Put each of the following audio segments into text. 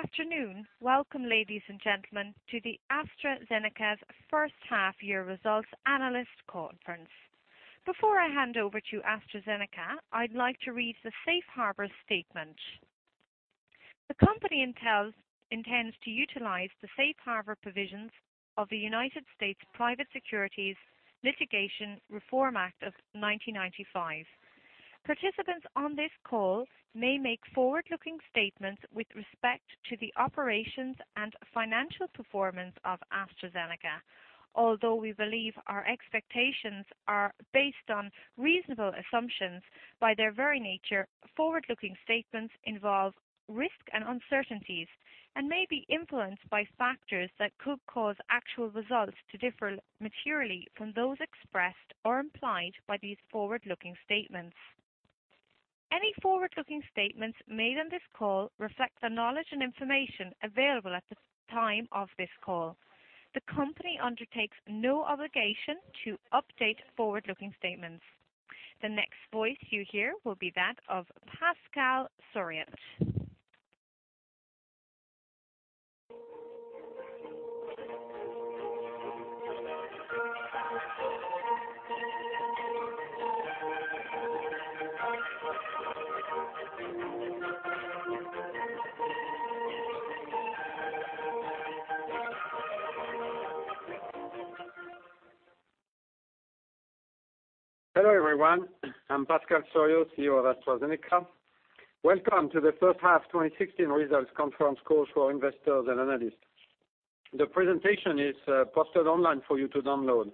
Good afternoon. Welcome, ladies and gentlemen, to the AstraZeneca's first half year results analyst conference. Before I hand over to AstraZeneca, I would like to read the safe harbor statement. The company intends to utilize the safe harbor provisions of the United States Private Securities Litigation Reform Act of 1995. Participants on this call may make forward-looking statements with respect to the operations and financial performance of AstraZeneca. Although we believe our expectations are based on reasonable assumptions, by their very nature, forward-looking statements involve risk and uncertainties and may be influenced by factors that could cause actual results to differ materially from those expressed or implied by these forward-looking statements. Any forward-looking statements made on this call reflect the knowledge and information available at the time of this call. The company undertakes no obligation to update forward-looking statements. The next voice you hear will be that of Pascal Soriot. Hello, everyone. I am Pascal Soriot, CEO of AstraZeneca. Welcome to the first half 2016 results conference call for investors and analysts. The presentation is posted online for you to download.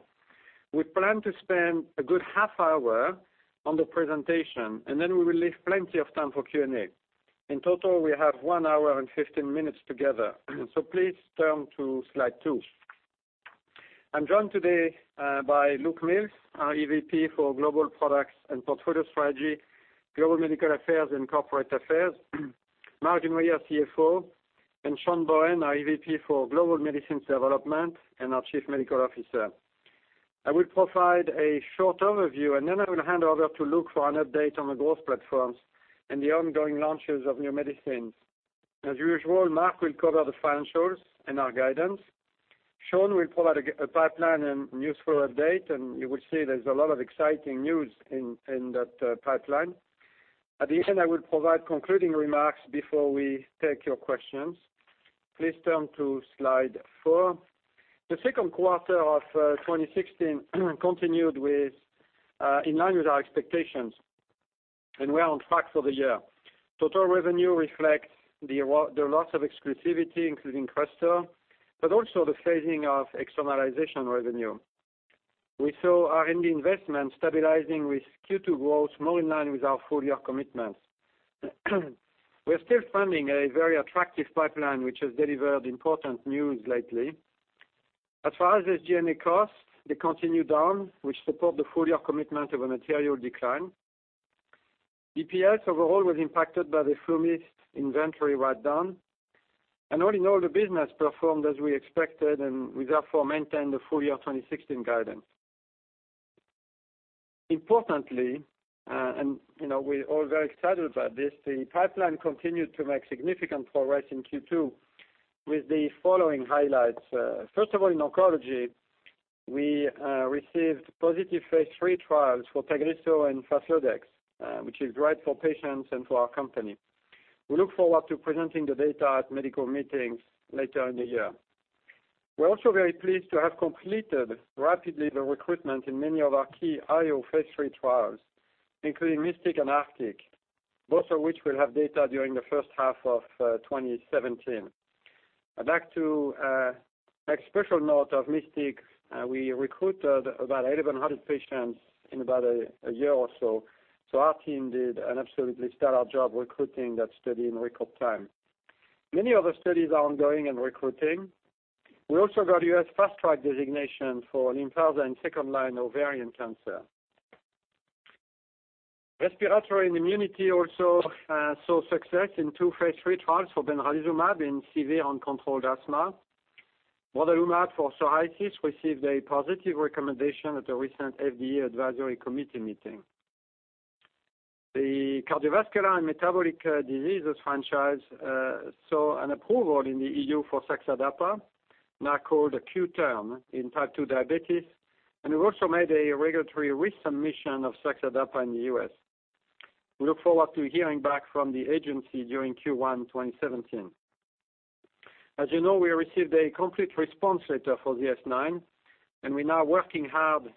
We plan to spend a good half hour on the presentation. We will leave plenty of time for Q&A. In total, we have one hour and 15 minutes together. Please turn to slide two. I am joined today by Luke Miels, our EVP for Global Products and Portfolio Strategy, Global Medical Affairs, and Corporate Affairs, Marc Dunoyer, CFO, and Sean Bohen, our EVP for Global Medicines Development and our Chief Medical Officer. I will provide a short overview. I will hand over to Luke for an update on the growth platforms and the ongoing launches of new medicines. As usual, Marc will cover the financials and our guidance. Sean will provide a pipeline and useful update. You will see there is a lot of exciting news in that pipeline. At the end, I will provide concluding remarks before we take your questions. Please turn to Slide four. The second quarter of 2016 continued in line with our expectations. We are on track for the year. Total revenue reflects the loss of exclusivity, including Crestor. Also the phasing of externalization revenue. We saw R&D investment stabilizing with Q2 growth more in line with our full-year commitments. We are still funding a very attractive pipeline, which has delivered important news lately. As far as SG&A costs, they continue down, which support the full-year commitment of a material decline. EPS overall was impacted by the FluMist inventory write-down. All in all, the business performed as we expected. We therefore maintain the full-year 2016 guidance. Importantly, we are all very excited about this, the pipeline continued to make significant progress in Q2 with the following highlights. First of all, in oncology, we received positive phase III trials for TAGRISSO and FASLODEX, which is great for patients and for our company. We look forward to presenting the data at medical meetings later in the year. We are also very pleased to have completed rapidly the recruitment in many of our key IO phase III trials, including MYSTIC and ARCTIC, both of which will have data during the first half of 2017. Back to make special note of MYSTIC, we recruited about 1,100 patients in about a year or so. Our team did an absolutely stellar job recruiting that study in record time. Many other studies are ongoing and recruiting. We also got U.S. Fast Track designation for olaparib in second-line ovarian cancer. Respiratory and immunity also saw success in two phase III trials for benralizumab in severe uncontrolled asthma. brodalumab for psoriasis received a positive recommendation at the recent FDA advisory committee meeting. The cardiovascular and metabolic diseases franchise saw an approval in the EU for saxa/dapa, now called Qtern, in type 2 diabetes, and we've also made a regulatory resubmission of saxa/dapa in the U.S. We look forward to hearing back from the agency during Q1 2017. As you know, we received a complete response letter for ZS-9, and we're now working hard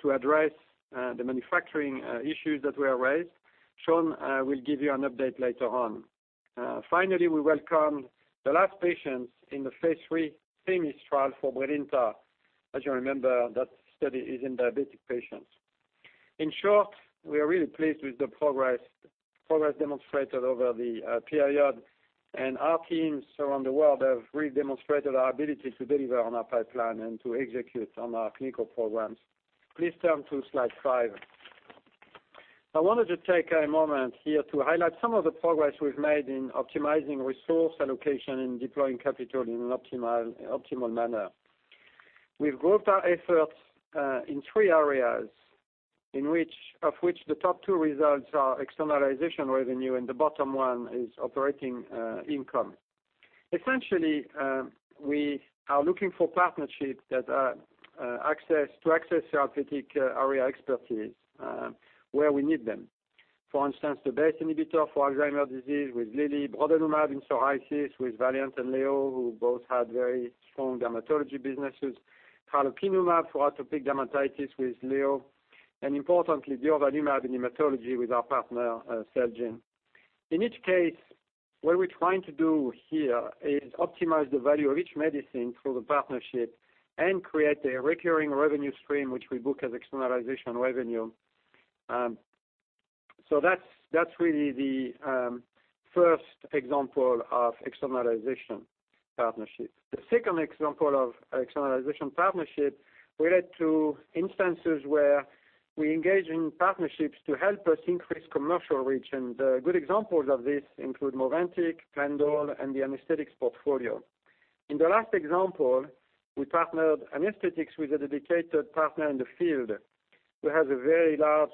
to address the manufacturing issues that were raised. Sean will give you an update later on. Finally, we welcome the last patients in the phase III THEMIS trial for BRILINTA. As you remember, that study is in diabetic patients. In short, we are really pleased with the progress demonstrated over the period. Our teams around the world have really demonstrated our ability to deliver on our pipeline and to execute on our clinical programs. Please turn to slide five. I wanted to take a moment here to highlight some of the progress we've made in optimizing resource allocation and deploying capital in an optimal manner. We've grouped our efforts in three areas, of which the top two results are externalization revenue and the bottom one is operating income. Essentially, we are looking for partnerships that are access to therapeutic area expertise where we need them. For instance, the BACE inhibitor for Alzheimer's disease with Lilly, brodalumab in psoriasis with Valeant and LEO, who both have very strong dermatology businesses, tralokinumab for atopic dermatitis with LEO, and importantly, durvalumab in hematology with our partner Celgene. In each case, what we're trying to do here is optimize the value of each medicine through the partnership and create a recurring revenue stream, which we book as externalization revenue. That's really the first example of externalization partnership. The second example of externalization partnership relates to instances where we engage in partnerships to help us increase commercial reach, and good examples of this include MOVANTIK, Plendil, and the anesthetics portfolio. In the last example, we partnered anesthetics with a dedicated partner in the field who has a very large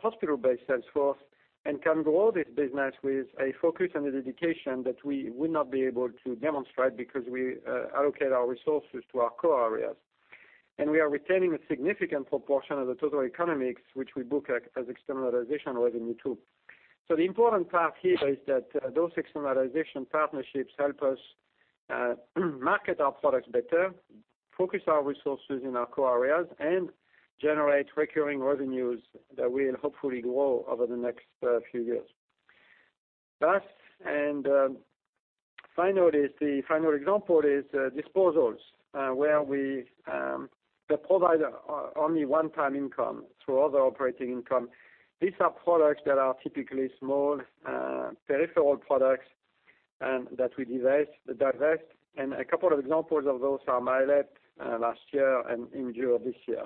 hospital-based sales force and can grow this business with a focus and a dedication that we would not be able to demonstrate because we allocate our resources to our core areas. We are retaining a significant proportion of the total economics, which we book as externalization revenue too. The important part here is that those externalization partnerships help us market our products better, focus our resources in our core areas, and generate recurring revenues that will hopefully grow over the next few years. Last and the final example is disposals, where we provide only one-time income through other operating income. These are products that are typically small peripheral products and that we divest. A couple of examples of those are Myalept last year and Imdur this year.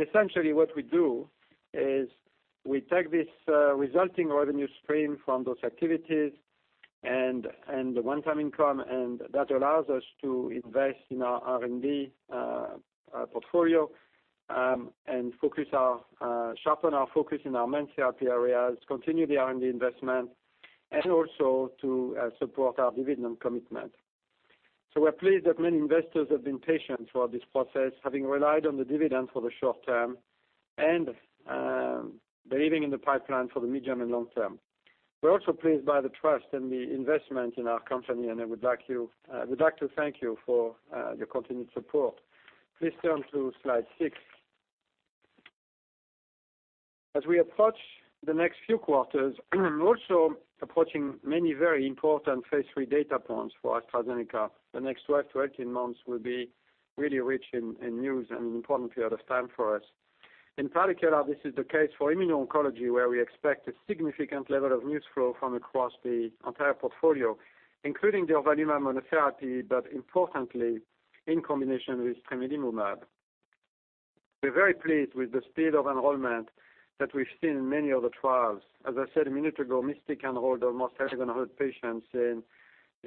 Essentially what we do is we take this resulting revenue stream from those activities and the one-time income. That allows us to invest in our R&D portfolio and sharpen our focus in our main therapy areas, continue the R&D investment, and also to support our dividend commitment. We're pleased that many investors have been patient throughout this process, having relied on the dividend for the short term and believing in the pipeline for the medium and long term. We're also pleased by the trust and the investment in our company, and I would like to thank you for your continued support. Please turn to slide six. As we approach the next few quarters, we're also approaching many very important phase III data points for AstraZeneca. The next 12-18 months will be really rich in news and an important period of time for us. In particular, this is the case for immuno-oncology, where we expect a significant level of news flow from across the entire portfolio, including durvalumab monotherapy, but importantly, in combination with tremelimumab. We're very pleased with the speed of enrollment that we've seen in many of the trials. As I said a minute ago, MYSTIC enrolled almost 1,100 patients in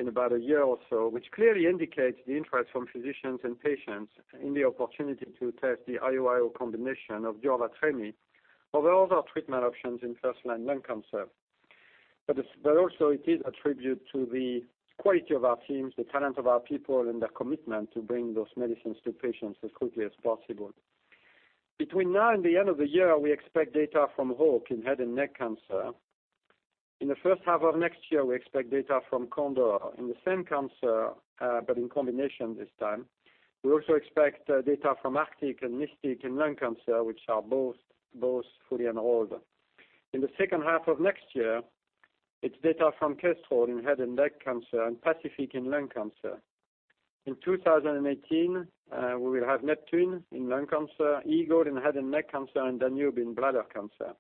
about a year or so, which clearly indicates the interest from physicians and patients in the opportunity to test the IO, I-O combination of durva treme over other treatment options in first line lung cancer. Also it is a tribute to the quality of our teams, the talent of our people and their commitment to bring those medicines to patients as quickly as possible. Between now and the end of the year, we expect data from HAWK in head and neck cancer. In the first half of next year, we expect data from CONDOR in the same cancer, but in combination this time. We also expect data from ARCTIC and MYSTIC in lung cancer, which are both fully enrolled. In the second half of next year, it's data from KESTREL in head and neck cancer and PACIFIC in lung cancer. In 2018, we will have NEPTUNE in lung cancer, EAGLE in head and neck cancer, and DANUBE in bladder cancer.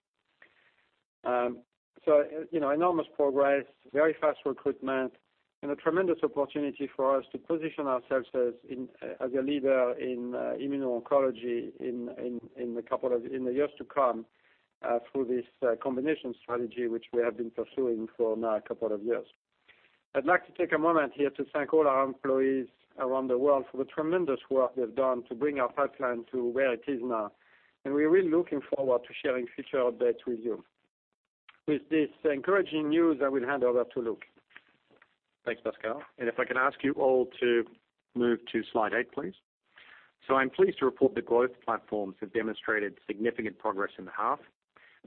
Enormous progress, very fast recruitment, and a tremendous opportunity for us to position ourselves as a leader in immuno-oncology in the years to come through this combination strategy, which we have been pursuing for now a couple of years. I'd like to take a moment here to thank all our employees around the world for the tremendous work they've done to bring our pipeline to where it is now. We're really looking forward to sharing future updates with you. With this encouraging news, I will hand over to Luke. Thanks, Pascal. If I can ask you all to move to slide eight, please. I'm pleased to report that both platforms have demonstrated significant progress in the half.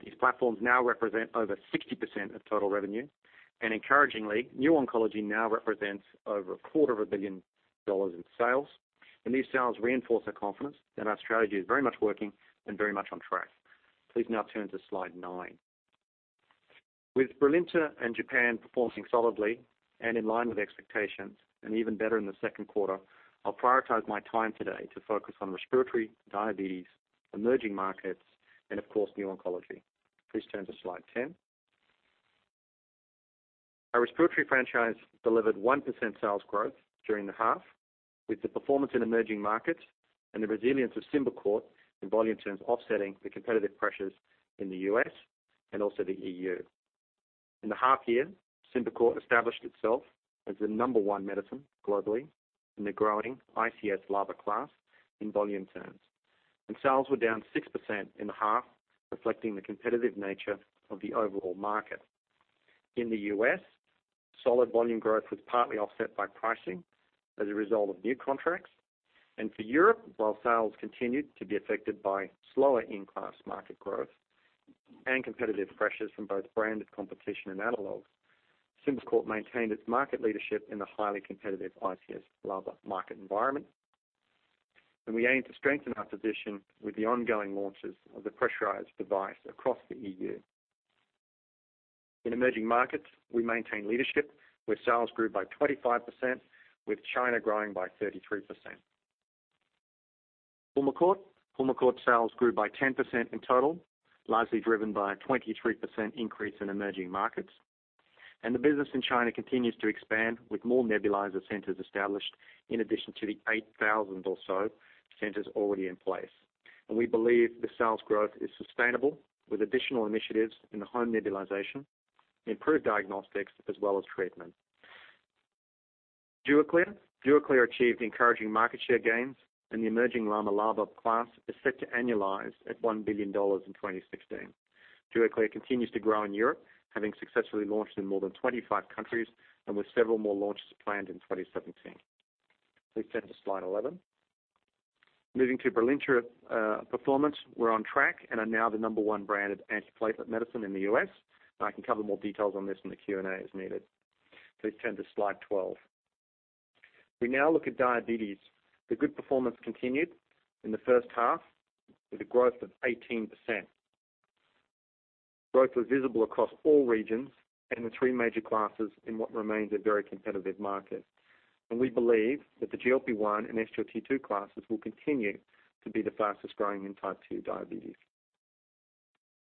These platforms now represent over 60% of total revenue. Encouragingly, new oncology now represents over a quarter of a billion dollars in sales. These sales reinforce our confidence that our strategy is very much working and very much on track. Please now turn to slide nine. With BRILINTA in Japan performing solidly and in line with expectations, and even better in the second quarter, I'll prioritize my time today to focus on respiratory, diabetes, emerging markets, and of course, new oncology. Please turn to slide 10. Our respiratory franchise delivered 1% sales growth during the half with the performance in emerging markets and the resilience of Symbicort in volume terms offsetting the competitive pressures in the U.S. and also the EU. In the half year, Symbicort established itself as the number one medicine globally in the growing ICS/LABA class in volume terms. Sales were down 6% in the half, reflecting the competitive nature of the overall market. In the U.S., solid volume growth was partly offset by pricing as a result of new contracts. For Europe, while sales continued to be affected by slower in-class market growth and competitive pressures from both branded competition and analogs, Symbicort maintained its market leadership in the highly competitive ICS/LABA market environment. We aim to strengthen our position with the ongoing launches of the pressurized device across the EU. In emerging markets, we maintain leadership, where sales grew by 25%, with China growing by 33%. PULMICORT sales grew by 10% in total, largely driven by a 23% increase in emerging markets. The business in China continues to expand, with more nebulizer centers established in addition to the 8,000 or so centers already in place. We believe the sales growth is sustainable, with additional initiatives in home nebulization, improved diagnostics, as well as treatment. DUAKLIR achieved encouraging market share gains, and the emerging LAMA/LABA class is set to annualize at GBP 1 billion in 2016. DUAKLIR continues to grow in Europe, having successfully launched in more than 25 countries, with several more launches planned in 2017. Please turn to Slide 11. Moving to BRILINTA performance. We're on track and are now the number one branded antiplatelet medicine in the U.S., I can cover more details on this in the Q&A as needed. Please turn to Slide 12. We now look at diabetes. The good performance continued in the first half with a growth of 18%. Growth was visible across all regions and the three major classes in what remains a very competitive market. We believe that the GLP-1 and SGLT2 classes will continue to be the fastest-growing in Type 2 diabetes.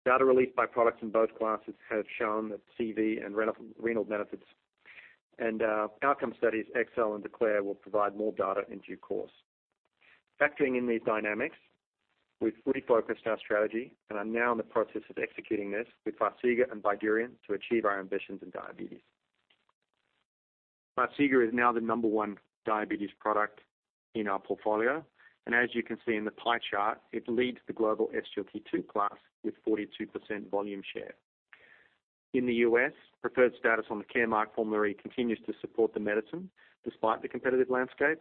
Data released by products in both classes have shown the CV and renal benefits, and outcome studies EXSCEL and DECLARE will provide more data in due course. Factoring in these dynamics, we've refocused our strategy and are now in the process of executing this with Farxiga and BYDUREON to achieve our ambitions in diabetes. Farxiga is now the number one diabetes product in our portfolio, as you can see in the pie chart, it leads the global SGLT2 class with 42% volume share. In the U.S., preferred status on the Caremark formulary continues to support the medicine despite the competitive landscape.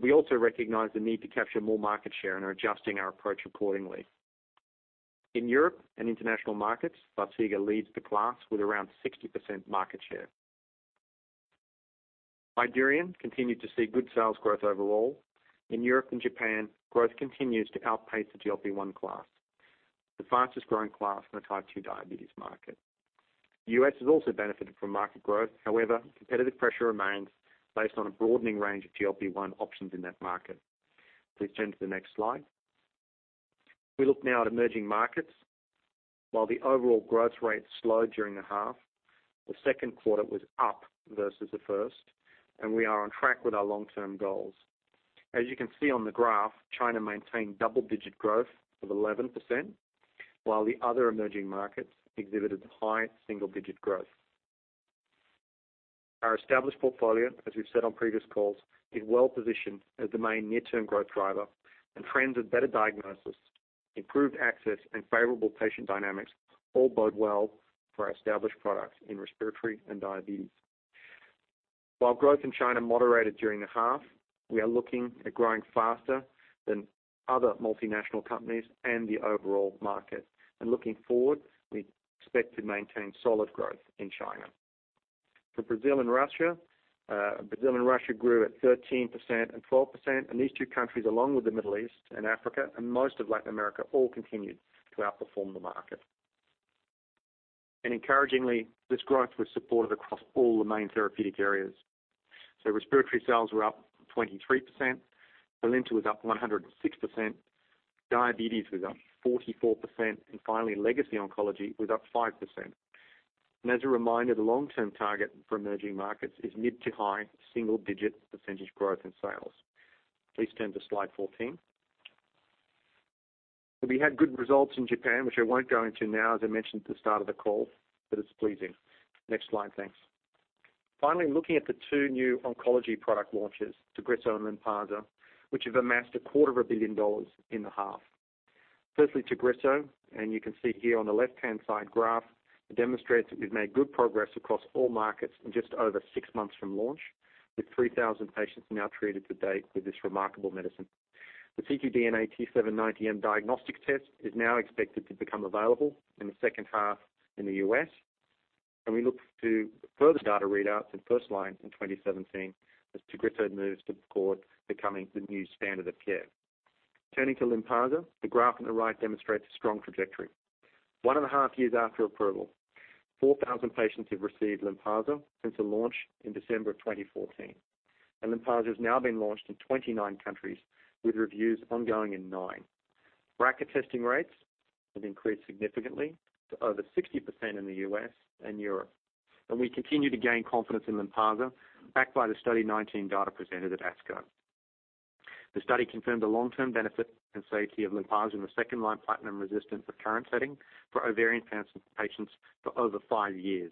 We also recognize the need to capture more market share and are adjusting our approach accordingly. In Europe and international markets, Farxiga leads the class with around 60% market share. BYDUREON continued to see good sales growth overall. In Europe and Japan, growth continues to outpace the GLP-1 class, the fastest-growing class in the Type 2 diabetes market. The U.S. has also benefited from market growth. However, competitive pressure remains based on a broadening range of GLP-1 options in that market. Please turn to the next slide. We look now at emerging markets. While the overall growth rate slowed during the half, the second quarter was up versus the first, we are on track with our long-term goals. As you can see on the graph, China maintained double-digit growth of 11%, while the other emerging markets exhibited high single-digit growth. Our established portfolio, as we've said on previous calls, is well-positioned as the main near-term growth driver. Trends of better diagnosis, improved access, and favorable patient dynamics all bode well for our established products in respiratory and diabetes. While growth in China moderated during the half, we are looking at growing faster than other multinational companies and the overall market. Looking forward, we expect to maintain solid growth in China. For Brazil and Russia, Brazil and Russia grew at 13% and 12%. These two countries, along with the Middle East and Africa and most of Latin America, all continued to outperform the market. Encouragingly, this growth was supported across all the main therapeutic areas. Respiratory sales were up 23%, BRILINTA was up 106%, diabetes was up 44%. Finally, legacy oncology was up 5%. As a reminder, the long-term target for emerging markets is mid to high single-digit percentage growth in sales. Please turn to Slide 14. We had good results in Japan, which I won't go into now, as I mentioned at the start of the call, but it's pleasing. Next slide, thanks. Finally, looking at the two new oncology product launches, TAGRISSO and Lynparza, which have amassed a quarter of a billion dollars in the half. Firstly, TAGRISSO. You can see here on the left-hand side graph, it demonstrates that we've made good progress across all markets in just over six months from launch, with 3,000 patients now treated to date with this remarkable medicine. The T790M diagnostic test is now expected to become available in the second half in the U.S. We look to further data readouts and first line in 2017 as TAGRISSO moves toward becoming the new standard of care. Turning to Lynparza, the graph on the right demonstrates a strong trajectory. One and a half years after approval, 4,000 patients have received Lynparza since the launch in December of 2014. Lynparza has now been launched in 29 countries, with reviews ongoing in nine. BRCA testing rates have increased significantly to over 60% in the U.S. and Europe. We continue to gain confidence in Lynparza, backed by the Study 19 data presented at ASCO. The study confirmed the long-term benefit and safety of Lynparza in the second-line platinum-resistant recurrent setting for ovarian cancer patients for over five years.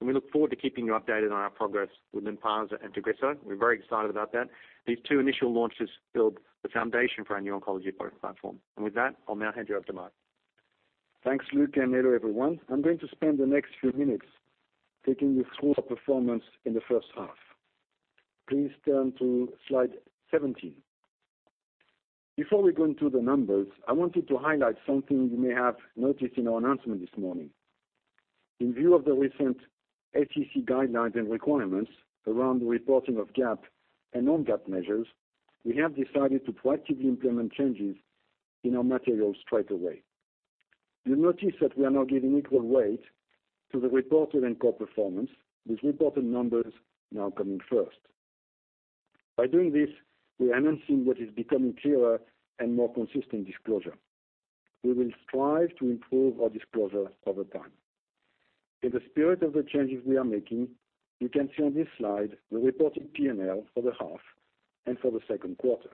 We look forward to keeping you updated on our progress with Lynparza and TAGRISSO. We're very excited about that. These two initial launches build the foundation for our new oncology product platform. With that, I'll now hand you over to Marc. Thanks, Luke, and hello everyone. I'm going to spend the next few minutes taking you through our performance in the first half. Please turn to Slide 17. Before we go into the numbers, I wanted to highlight something you may have noticed in our announcement this morning. In view of the recent SEC guidelines and requirements around the reporting of GAAP and non-GAAP measures, we have decided to proactively implement changes in our materials straight away. You'll notice that we are now giving equal weight to the reported and core performance, with reported numbers now coming first. By doing this, we are announcing what is becoming clearer and more consistent disclosure. We will strive to improve our disclosure over time. In the spirit of the changes we are making, you can see on this slide the reported P&L for the half and for the second quarter.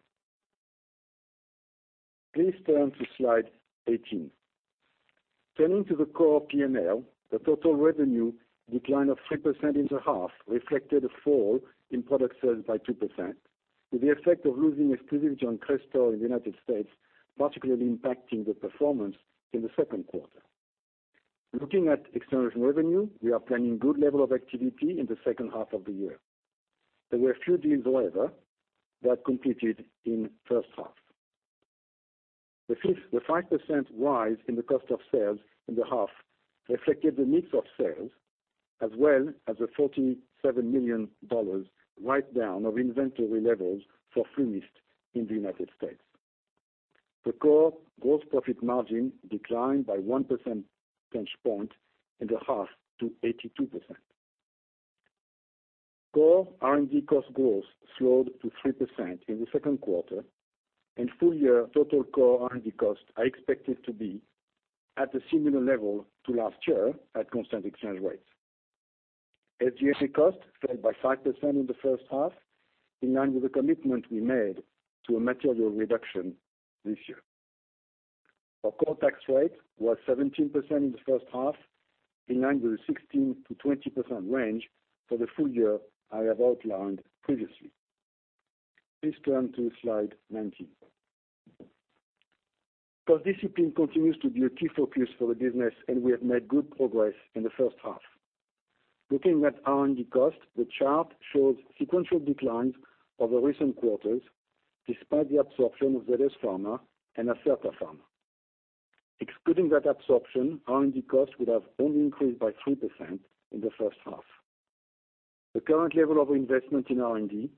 Please turn to Slide 18. Turning to the core P&L, the total revenue decline of 3% in the half reflected a fall in product sales by 2%, with the effect of losing exclusivity on Crestor in the United States particularly impacting the performance in the second quarter. Looking at external revenue, we are planning good level of activity in the second half of the year. There were a few deals, however, that completed in the first half. The 5% rise in the cost of sales in the half reflected the mix of sales, as well as a $47 million write-down of inventory levels for FluMist in the United States. The core gross profit margin declined by one percentage point in the half to 82%. Core R&D cost growth slowed to 3% in the second quarter. Full-year total core R&D costs are expected to be at a similar level to last year at constant exchange rates. SG&A costs fell by 5% in the first half, in line with the commitment we made to a material reduction this year. Our core tax rate was 17% in the first half, in line with the 16%-20% range for the full year I have outlined previously. Please turn to Slide 19. Cost discipline continues to be a key focus for the business. We have made good progress in the first half. Looking at R&D costs, the chart shows sequential declines over recent quarters despite the absorption of ZS Pharma and Acerta Pharma. Excluding that absorption, R&D costs would have only increased by 3% in the first half. The current level of investment in R&D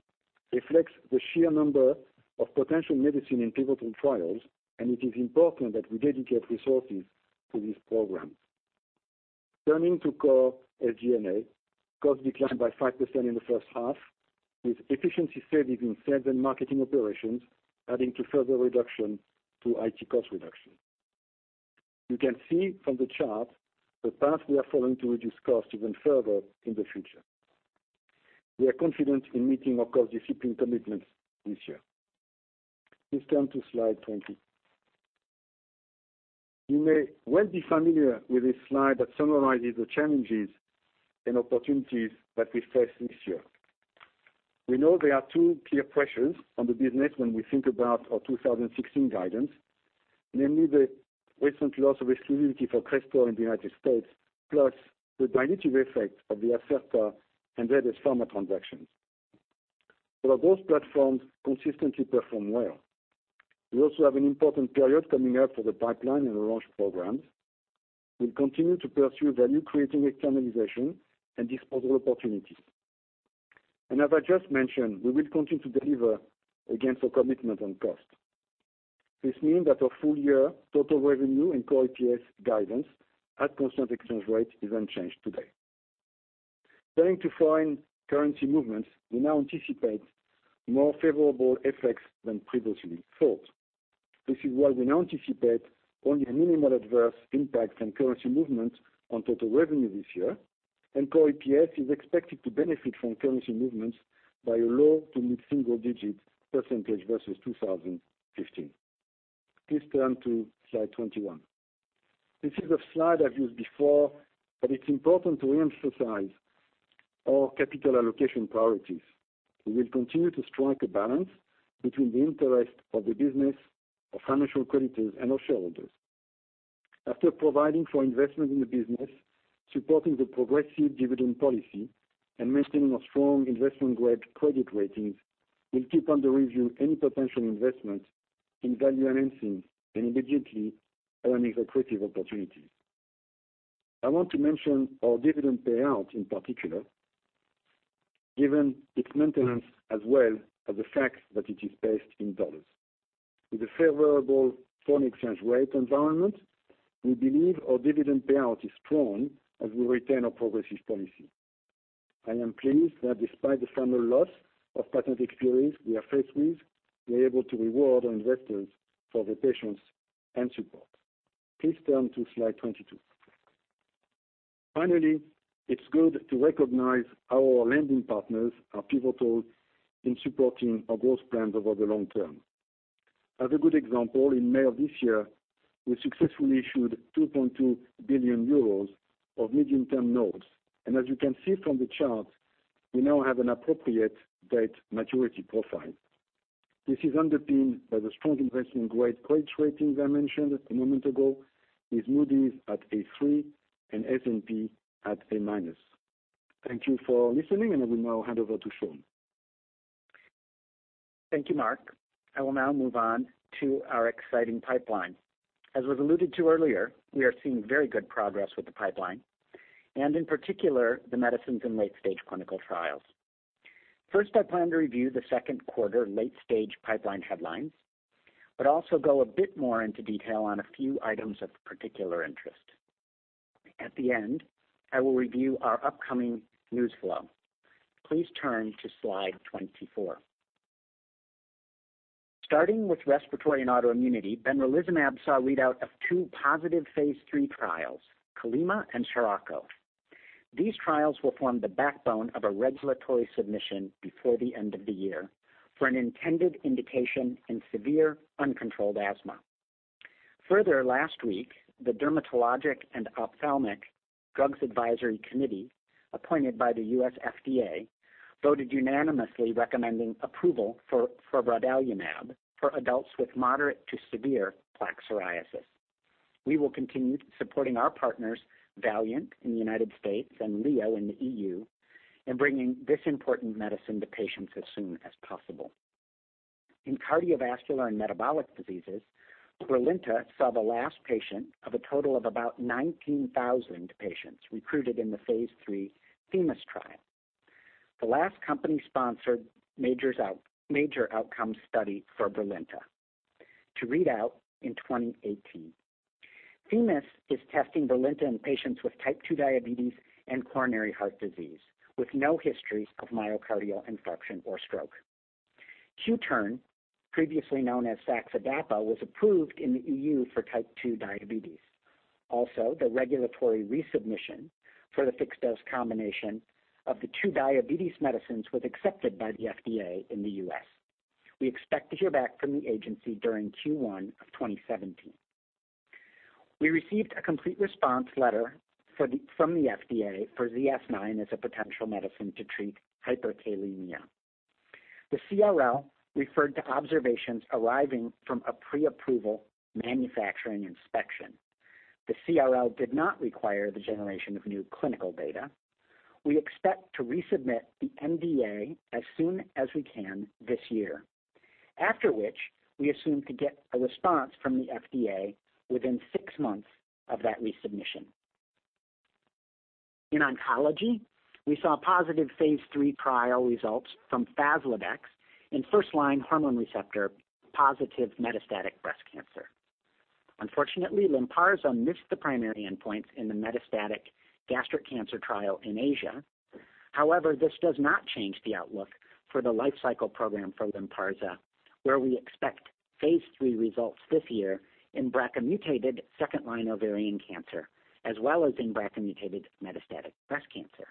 reflects the sheer number of potential medicine in pivotal trials. It is important that we dedicate resources to these programs. Turning to core SG&A, costs declined by 5% in the first half, with efficiency savings in sales and marketing operations adding to further reduction to IT cost reduction. You can see from the chart the path we are following to reduce costs even further in the future. We are confident in meeting our cost discipline commitments this year. Please turn to Slide 20. You may well be familiar with this slide that summarizes the challenges and opportunities that we face this year. We know there are two clear pressures on the business when we think about our 2016 guidance, namely the recent loss of exclusivity for Crestor in the United States, plus the dilutive effect of the Acerta Pharma and ZS Pharma transactions. Our growth platforms consistently perform well. We also have an important period coming up for the pipeline and the launch programs. We'll continue to pursue value-creating externalization and disposal opportunities. As I just mentioned, we will continue to deliver against our commitment on cost. This means that our full-year total revenue and core EPS guidance at constant exchange rates is unchanged today. Turning to foreign currency movements, we now anticipate more favorable effects than previously thought. This is why we now anticipate only a minimal adverse impact from currency movements on total revenue this year, and core EPS is expected to benefit from currency movements by a low to mid-single-digit % versus 2015. Please turn to slide 21. This is a slide I've used before. It's important to reemphasize our capital allocation priorities. We will continue to strike a balance between the interest of the business, our financial creditors, and our shareholders. After providing for investment in the business, supporting the progressive dividend policy, and maintaining our strong investment-grade credit ratings, we'll keep under review any potential investment in value enhancing and immediately earning accretive opportunities. I want to mention our dividend payout in particular, given its maintenance as well as the fact that it is based in $. With a favorable foreign exchange rate environment, we believe our dividend payout is strong as we retain our progressive policy. I am pleased that despite the formal loss of patent exclusivity we are faced with, we are able to reward our investors for their patience and support. Please turn to slide 22. Finally, it's good to recognize our lending partners are pivotal in supporting our growth plans over the long term. As a good example, in May of this year, we successfully issued 2.2 billion euros of medium-term notes. As you can see from the chart, we now have an appropriate debt maturity profile. This is underpinned by the strong investment grade credit ratings I mentioned a moment ago, with Moody's at A3 and S&P at A-. Thank you for listening. I will now hand over to Sean. Thank you, Marc. I will now move on to our exciting pipeline. As was alluded to earlier, we are seeing very good progress with the pipeline, in particular, the medicines in late-stage clinical trials. First, I plan to review the second quarter late-stage pipeline headlines. I also go a bit more into detail on a few items of particular interest. At the end, I will review our upcoming news flow. Please turn to slide 24. Starting with respiratory and autoimmunity, benralizumab saw a readout of two positive phase III trials, CALIMA and SIROCCO. These trials will form the backbone of a regulatory submission before the end of the year for an intended indication in severe uncontrolled asthma. Further, last week, the Dermatologic and Ophthalmic Drugs Advisory Committee, appointed by the U.S. FDA, voted unanimously recommending approval for brodalumab for adults with moderate to severe plaque psoriasis. We will continue supporting our partners, Valeant in the U.S. and LEO in the EU, in bringing this important medicine to patients as soon as possible. In cardiovascular and metabolic diseases, BRILINTA saw the last patient of a total of about 19,000 patients recruited in the phase III THEMIS trial. The last company-sponsored major outcome study for BRILINTA to read out in 2018. THEMIS is testing BRILINTA in patients with type 2 diabetes and coronary heart disease, with no histories of myocardial infarction or stroke. Qtern, previously known as saxa/dapa, was approved in the EU for type 2 diabetes. Also, the regulatory resubmission for the fixed dose combination of the two diabetes medicines was accepted by the FDA in the U.S. We expect to hear back from the agency during Q1 of 2017. We received a complete response letter from the FDA for ZS-9 as a potential medicine to treat hyperkalaemia. The CRL referred to observations arriving from a pre-approval manufacturing inspection. The CRL did not require the generation of new clinical data. We expect to resubmit the NDA as soon as we can this year, after which we assume to get a response from the FDA within six months of that resubmission. In oncology, we saw positive phase III trial results from FASLODEX in first-line hormone receptor-positive metastatic breast cancer. Unfortunately, Lynparza missed the primary endpoints in the metastatic gastric cancer trial in Asia. However, this does not change the outlook for the life cycle program for Lynparza, where we expect phase III results this year in BRCA-mutated second-line ovarian cancer, as well as in BRCA-mutated metastatic breast cancer.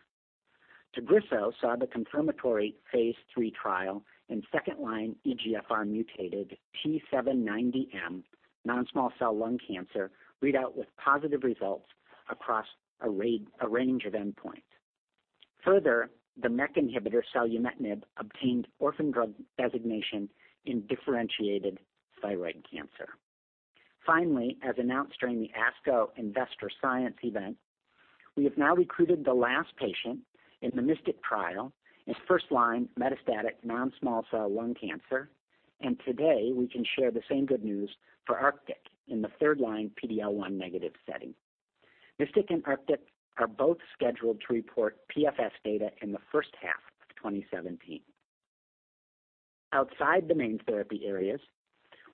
TAGRISSO saw the confirmatory phase III trial in second-line EGFR-mutated T790M non-small cell lung cancer readout with positive results across a range of endpoints. Further, the MEK inhibitor selumetinib obtained orphan drug designation in differentiated thyroid cancer. Finally, as announced during the ASCO Investor Science event, we have now recruited the last patient in the MYSTIC trial in first-line metastatic non-small cell lung cancer, and today we can share the same good news for ARCTIC in the third-line PD-L1-negative setting. MYSTIC and ARCTIC are both scheduled to report PFS data in the first half of 2017. Outside the main therapy areas,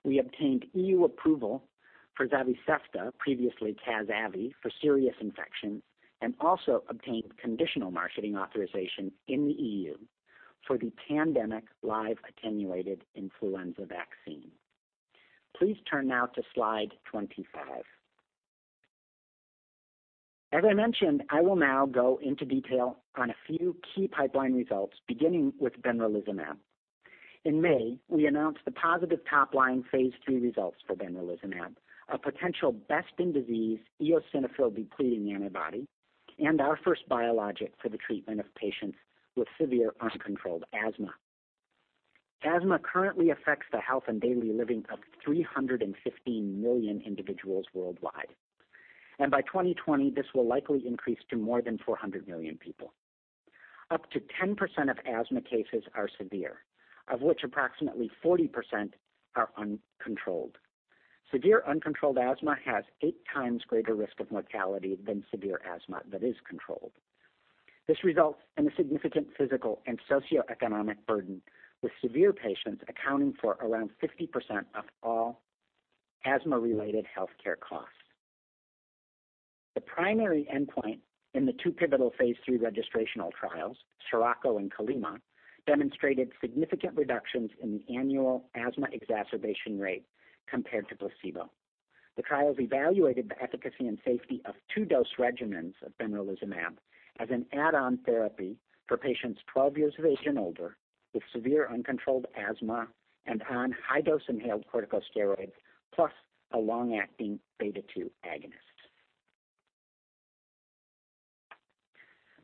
we obtained EU approval for Zavicefta, previously CAZ-AVI, for serious infections and also obtained conditional marketing authorization in the EU for the pandemic live attenuated influenza vaccine. Please turn now to slide 25. As I mentioned, I will now go into detail on a few key pipeline results, beginning with benralizumab. In May, we announced the positive top-line phase III results for benralizumab, a potential best-in-disease eosinophil depleting antibody and our first biologic for the treatment of patients with severe uncontrolled asthma. Asthma currently affects the health and daily living of 315 million individuals worldwide. And by 2020, this will likely increase to more than 400 million people. Up to 10% of asthma cases are severe, of which approximately 40% are uncontrolled. Severe uncontrolled asthma has eight times greater risk of mortality than severe asthma that is controlled. This results in a significant physical and socioeconomic burden, with severe patients accounting for around 50% of all asthma-related healthcare costs. The primary endpoint in the two pivotal phase III registrational trials, SIROCCO and CALIMA, demonstrated significant reductions in the annual asthma exacerbation rate compared to placebo. The trials evaluated the efficacy and safety of two dose regimens of benralizumab as an add-on therapy for patients 12 years of age and older with severe uncontrolled asthma and on high dose inhaled corticosteroids plus a long-acting beta-2 agonist.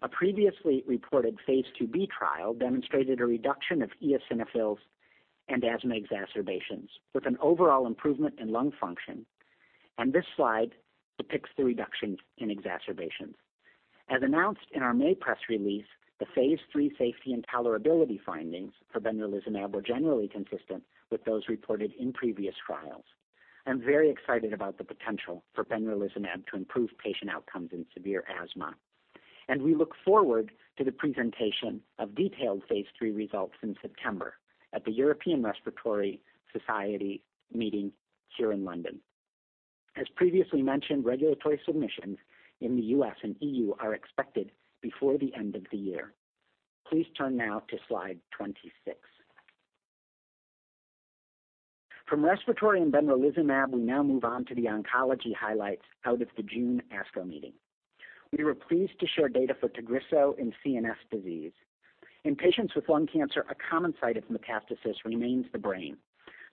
A previously reported phase II-B trial demonstrated a reduction of eosinophils and asthma exacerbations with an overall improvement in lung function, and this slide depicts the reduction in exacerbations. As announced in our May press release, the phase III safety and tolerability findings for benralizumab were generally consistent with those reported in previous trials. I'm very excited about the potential for benralizumab to improve patient outcomes in severe asthma, and we look forward to the presentation of detailed phase III results in September at the European Respiratory Society meeting here in London. As previously mentioned, regulatory submissions in the U.S. and EU are expected before the end of the year. Please turn now to slide 26. From respiratory and benralizumab, we now move on to the oncology highlights out of the June ASCO meeting. We were pleased to share data for TAGRISSO in CNS disease. In patients with lung cancer, a common site of metastasis remains the brain,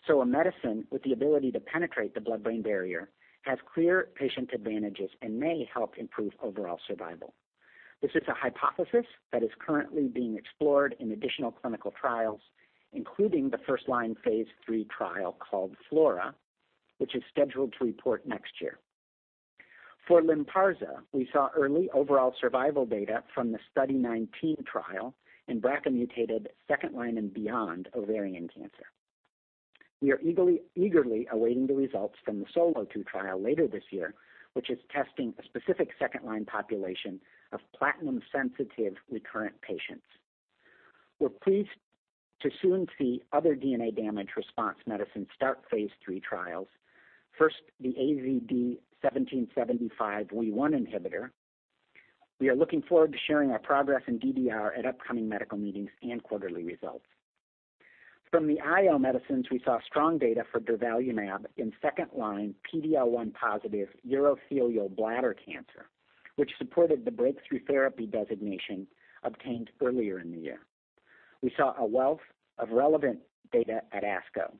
so a medicine with the ability to penetrate the blood-brain barrier has clear patient advantages and may help improve overall survival. This is a hypothesis that is currently being explored in additional clinical trials, including the first line phase III trial called FLAURA, which is scheduled to report next year. For Lynparza, we saw early overall survival data from the Study 19 trial in BRCA-mutated second line and beyond ovarian cancer. We are eagerly awaiting the results from the SOLO2 trial later this year, which is testing a specific second-line population of platinum-sensitive recurrent patients. We're pleased to soon see other DNA damage response medicines start phase III trials. First, the AZD1775 WEE1 inhibitor. We are looking forward to sharing our progress in DDR at upcoming medical meetings and quarterly results. From the IO medicines, we saw strong data for durvalumab in second line PD-L1 positive urothelial bladder cancer, which supported the breakthrough therapy designation obtained earlier in the year. We saw a wealth of relevant data at ASCO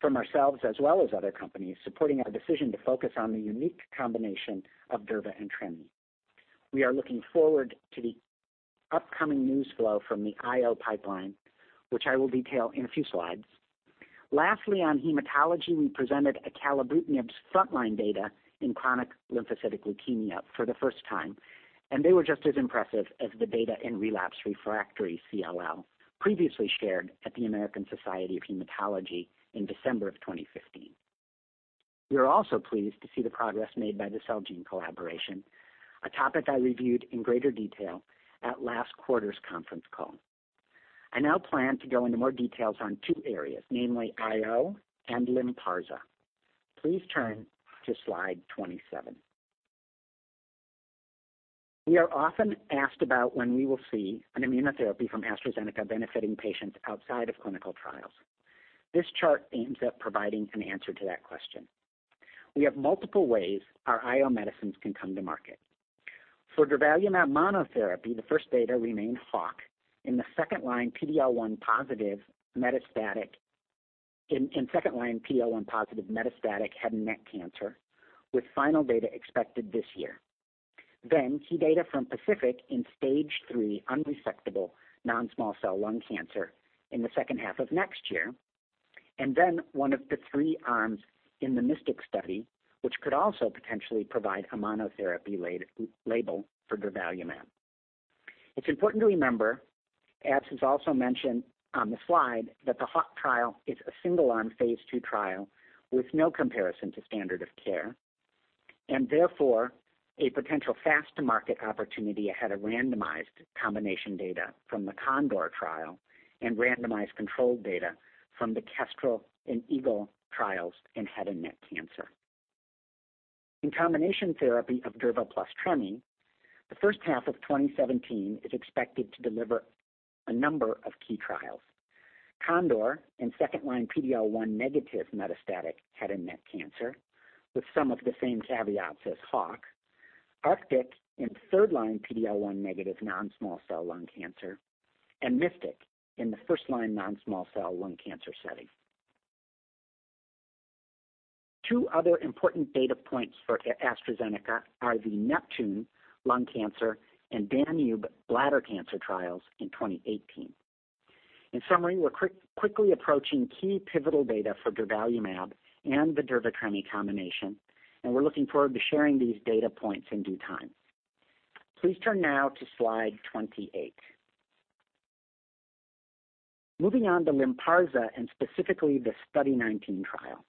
from ourselves as well as other companies supporting our decision to focus on the unique combination of durva + treme. We are looking forward to the upcoming news flow from the IO pipeline, which I will detail in a few slides. Lastly, on hematology, we presented acalabrutinib's frontline data in chronic lymphocytic leukemia for the first time, and they were just as impressive as the data in relapse refractory CLL previously shared at the American Society of Hematology in December of 2015. We are also pleased to see the progress made by the Celgene collaboration, a topic I reviewed in greater detail at last quarter's conference call. I now plan to go into more details on two areas, namely IO and Lynparza. Please turn to slide 27. We are often asked about when we will see an immunotherapy from AstraZeneca benefiting patients outside of clinical trials. This chart aims at providing an answer to that question. We have multiple ways our IO medicines can come to market. For durvalumab monotherapy, the first data remain HAWK in second line PD-L1 positive metastatic head and neck cancer with final data expected this year. Key data from PACIFIC in Stage III unresectable non-small cell lung cancer in the second half of next year, and one of the three arms in the MYSTIC study, which could also potentially provide a monotherapy label for durvalumab. It's important to remember, as is also mentioned on the slide, that the HAWK trial is a single-arm phase II trial with no comparison to standard of care, and therefore, a potential fast to market opportunity ahead of randomized combination data from the CONDOR trial and randomized controlled data from the KESTREL and EAGLE trials in head and neck cancer. In combination therapy of durva + treme, the first half of 2017 is expected to deliver a number of key trials. CONDOR in second line PD-L1 negative metastatic head and neck cancer with some of the same caveats as HAWK, ARCTIC in third line PD-L1 negative non-small cell lung cancer, and MYSTIC in the first-line non-small cell lung cancer setting. Two other important data points for AstraZeneca are the NEPTUNE lung cancer and DANUBE bladder cancer trials in 2018. In summary, we're quickly approaching key pivotal data for durvalumab and the durva + treme combination, and we're looking forward to sharing these data points in due time. Please turn now to slide 28. Moving on to Lynparza and specifically the Study 19 trial.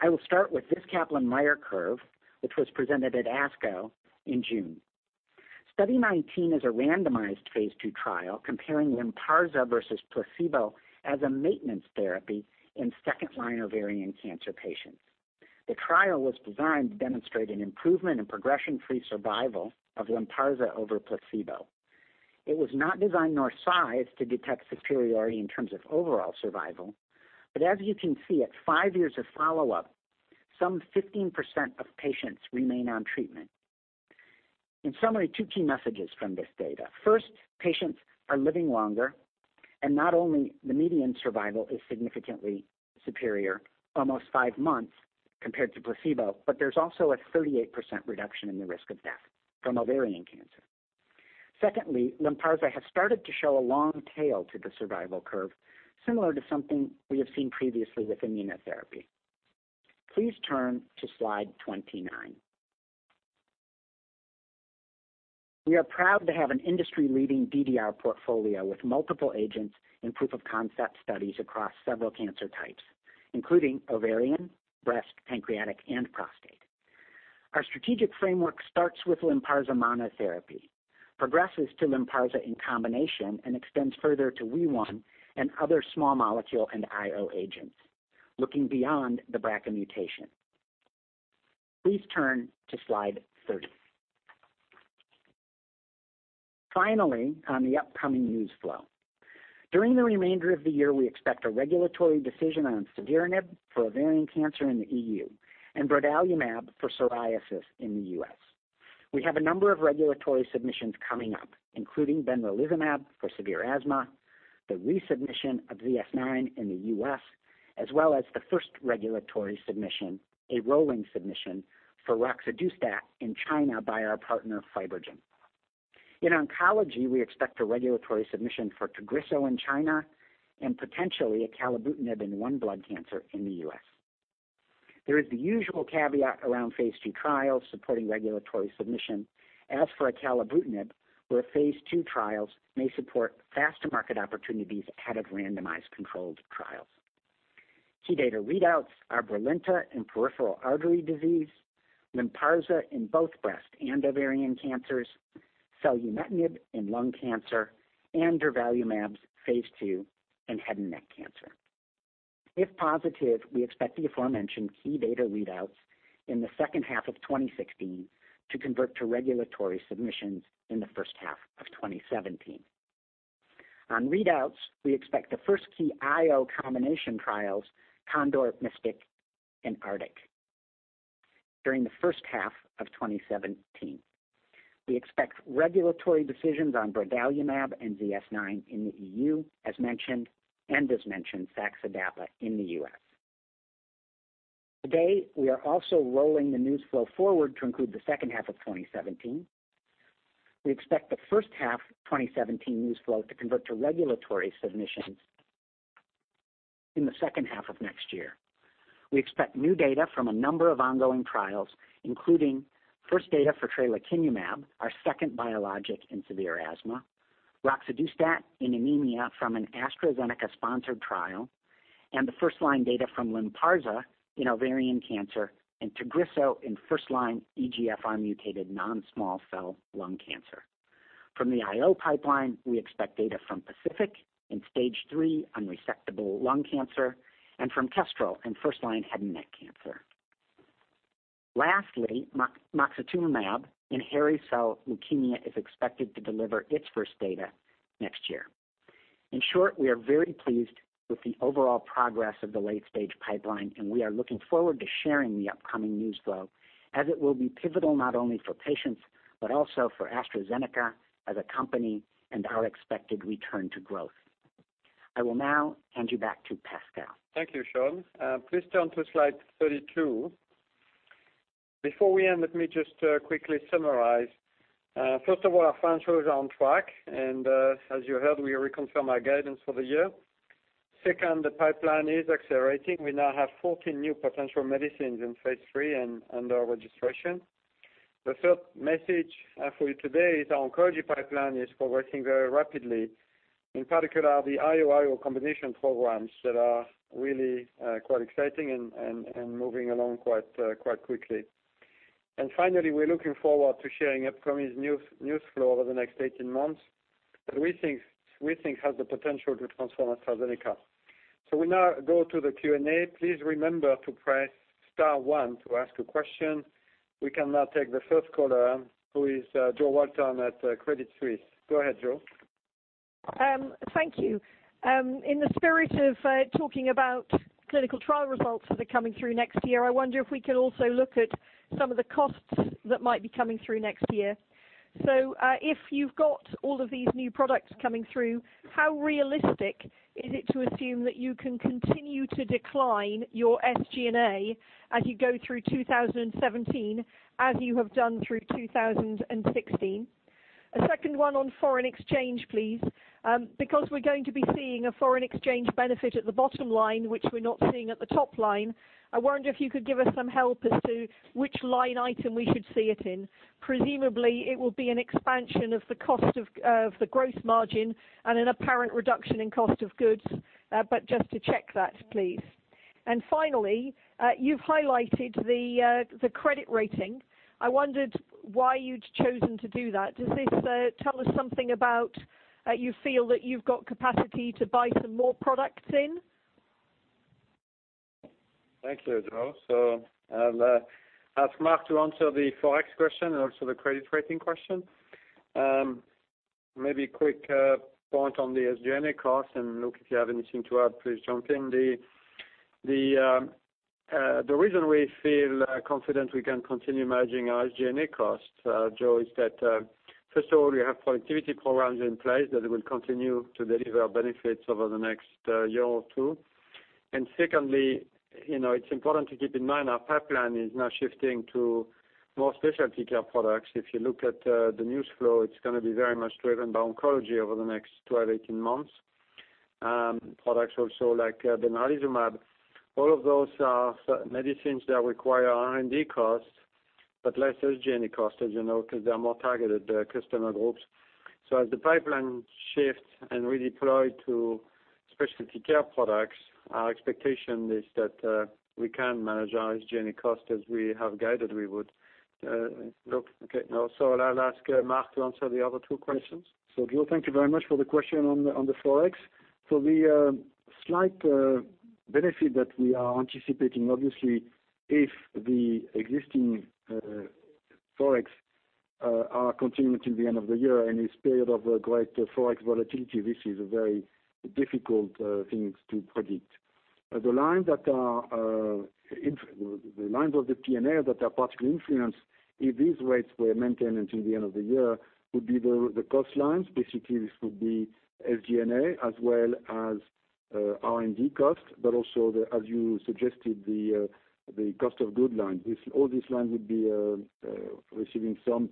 I will start with this Kaplan-Meier curve, which was presented at ASCO in June. Study 19 is a randomized phase II trial comparing Lynparza versus placebo as a maintenance therapy in second-line ovarian cancer patients. The trial was designed to demonstrate an improvement in progression-free survival of Lynparza over placebo. It was not designed nor sized to detect superiority in terms of overall survival, but as you can see, at five years of follow-up, some 15% of patients remain on treatment. In summary, two key messages from this data. First, patients are living longer, and not only the median survival is significantly superior almost five months compared to placebo, but there's also a 38% reduction in the risk of death from ovarian cancer. Secondly, Lynparza has started to show a long tail to the survival curve, similar to something we have seen previously with immunotherapy. Please turn to slide 29. We are proud to have an industry-leading DDR portfolio with multiple agents in proof of concept studies across several cancer types, including ovarian, breast, pancreatic, and prostate. Our strategic framework starts with Lynparza monotherapy, progresses to Lynparza in combination, and extends further to WEE1 and other small molecule and IO agents, looking beyond the BRCA mutation. Please turn to slide 30. Finally, on the upcoming news flow. During the remainder of the year, we expect a regulatory decision on savolitinib for ovarian cancer in the EU and brodalumab for psoriasis in the U.S. We have a number of regulatory submissions coming up, including benralizumab for severe asthma, the resubmission of ZS-9 in the U.S., as well as the first regulatory submission, a rolling submission for roxadustat in China by our partner FibroGen. In oncology, we expect a regulatory submission for TAGRISSO in China and potentially acalabrutinib in one blood cancer in the U.S. There is the usual caveat around phase II trials supporting regulatory submission as for acalabrutinib, where phase II trials may support faster market opportunities out of randomized controlled trials. Key data readouts are BRILINTA in peripheral artery disease, Lynparza in both breast and ovarian cancers, selumetinib in lung cancer, and durvalumab's phase II in head and neck cancer. If positive, we expect the aforementioned key data readouts in the second half of 2016 to convert to regulatory submissions in the first half of 2017. On readouts, we expect the first key IO combination trials, CONDOR, MYSTIC, and ARCTIC, during the first half of 2017. We expect regulatory decisions on brodalumab and ZS-9 in the EU as mentioned, and as mentioned, saxa/dapa in the U.S. Today, we are also rolling the news flow forward to include the second half of 2017. We expect the first half 2017 news flow to convert to regulatory submissions in the second half of next year. We expect new data from a number of ongoing trials, including first data for tralokinumab, our second biologic in severe asthma, roxadustat in anemia from an AstraZeneca-sponsored trial, and the first-line data from Lynparza in ovarian cancer and TAGRISSO in first-line EGFR mutated non-small cell lung cancer. From the IO pipeline, we expect data from PACIFIC in stage 3 unresectable lung cancer and from KESTREL in first-line head and neck cancer. Lastly, moxetumomab pasudotox in hairy cell leukemia is expected to deliver its first data next year. In short, we are very pleased with the overall progress of the late-stage pipeline, and we are looking forward to sharing the upcoming news flow as it will be pivotal not only for patients, but also for AstraZeneca as a company and our expected return to growth. I will now hand you back to Pascal. Thank you, Sean. Please turn to slide 32. Before we end, let me just quickly summarize. First of all, our financials are on track and, as you heard, we reconfirm our guidance for the year. Second, the pipeline is accelerating. We now have 14 new potential medicines in phase III and under registration. The third message for you today is our oncology pipeline is progressing very rapidly, in particular the IO combination programs that are really quite exciting and moving along quite quickly. Finally, we're looking forward to sharing upcoming news flow over the next 18 months that we think has the potential to transform AstraZeneca. We now go to the Q&A. Please remember to press star one to ask a question. We can now take the first caller, who is Jo Walton at Credit Suisse. Go ahead, Jo. Thank you. In the spirit of talking about clinical trial results that are coming through next year, I wonder if we could also look at some of the costs that might be coming through next year. If you've got all of these new products coming through, how realistic is it to assume that you can continue to decline your SG&A as you go through 2017, as you have done through 2016? A second one on foreign exchange, please. We're going to be seeing a foreign exchange benefit at the bottom line, which we're not seeing at the top line, I wonder if you could give us some help as to which line item we should see it in. Presumably, it will be an expansion of the cost of the growth margin and an apparent reduction in cost of goods. Just to check that, please. Finally, you've highlighted the credit rating. I wondered why you'd chosen to do that. Does this tell us something about you feel that you've got capacity to buy some more products in? Thanks, Jo. I'll ask Marc to answer the Forex question and also the credit rating question. Maybe a quick point on the SG&A cost and Luke, if you have anything to add, please jump in. The reason we feel confident we can continue managing our SG&A costs, Jo, is that first of all, we have productivity programs in place that will continue to deliver benefits over the next year or two. Secondly, it's important to keep in mind our pipeline is now shifting to more specialty care products. If you look at the news flow, it's going to be very much driven by oncology over the next 12, 18 months. Products also like benralizumab, all of those are medicines that require R&D costs, but less SG&A costs, as you know, because they are more targeted customer groups. As the pipeline shifts and redeploy to specialty care products, our expectation is that we can manage our SG&A cost as we have guided we would. Luke? Okay. I'll ask Marc to answer the other two questions. Jo, thank you very much for the question on the Forex. The slight benefit that we are anticipating, obviously, if the existing Forex are continuing to the end of the year, in this period of great Forex volatility, this is a very difficult thing to predict. The lines of the P&L that are partially influenced, if these rates were maintained until the end of the year, would be the cost lines. Basically, this would be SG&A as well as R&D cost, but also, as you suggested, the cost of good line. All these lines would be receiving some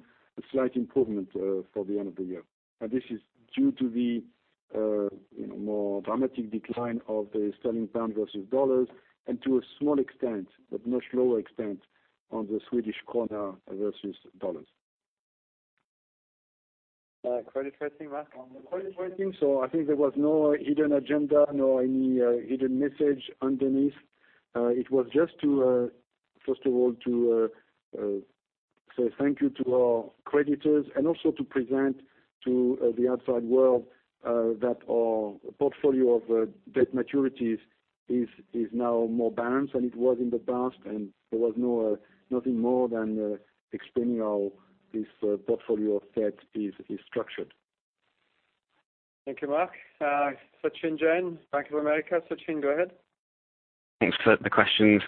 slight improvement for the end of the year. This is due to the more dramatic decline of the sterling pound versus dollars and to a small extent, but much lower extent, on the Swedish krona versus dollars. Credit rating, Marc? On the credit rating, I think there was no hidden agenda, nor any hidden message underneath. It was just first of all, to say thank you to our creditors and also to present to the outside world that our portfolio of debt maturities is now more balanced than it was in the past, there was nothing more than explaining how this portfolio of debt is structured. Thank you, Marc. Sachin Jain, Bank of America. Sachin, go ahead. Thanks for the questions.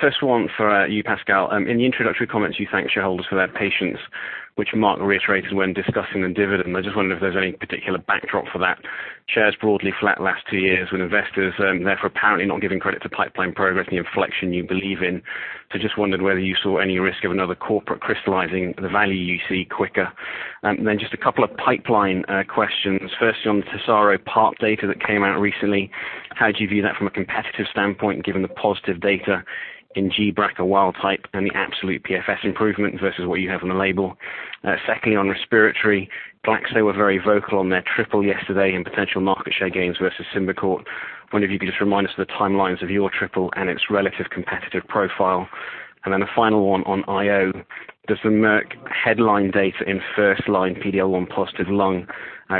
First one for you, Pascal. In the introductory comments, you thanked shareholders for their patience, which Marc reiterated when discussing the dividend. I just wondered if there's any particular backdrop for that. Shares broadly flat last two years with investors, therefore apparently not giving credit to pipeline progress and the inflection you believe in. Just wondered whether you saw any risk of another corporate crystallizing the value you see quicker. Then just a couple of pipeline questions. Firstly, on the TESARO PARP data that came out recently, how do you view that from a competitive standpoint, given the positive data in gBRCA wild type and the absolute PFS improvement versus what you have on the label? Second, on respiratory, GlaxoSmithKline were very vocal on their triple yesterday and potential market share gains versus Symbicort. Wonder if you could just remind us of the timelines of your triple and its relative competitive profile. Then a final one on IO. Does the Merck headline data in first-line PD-L1 positive lung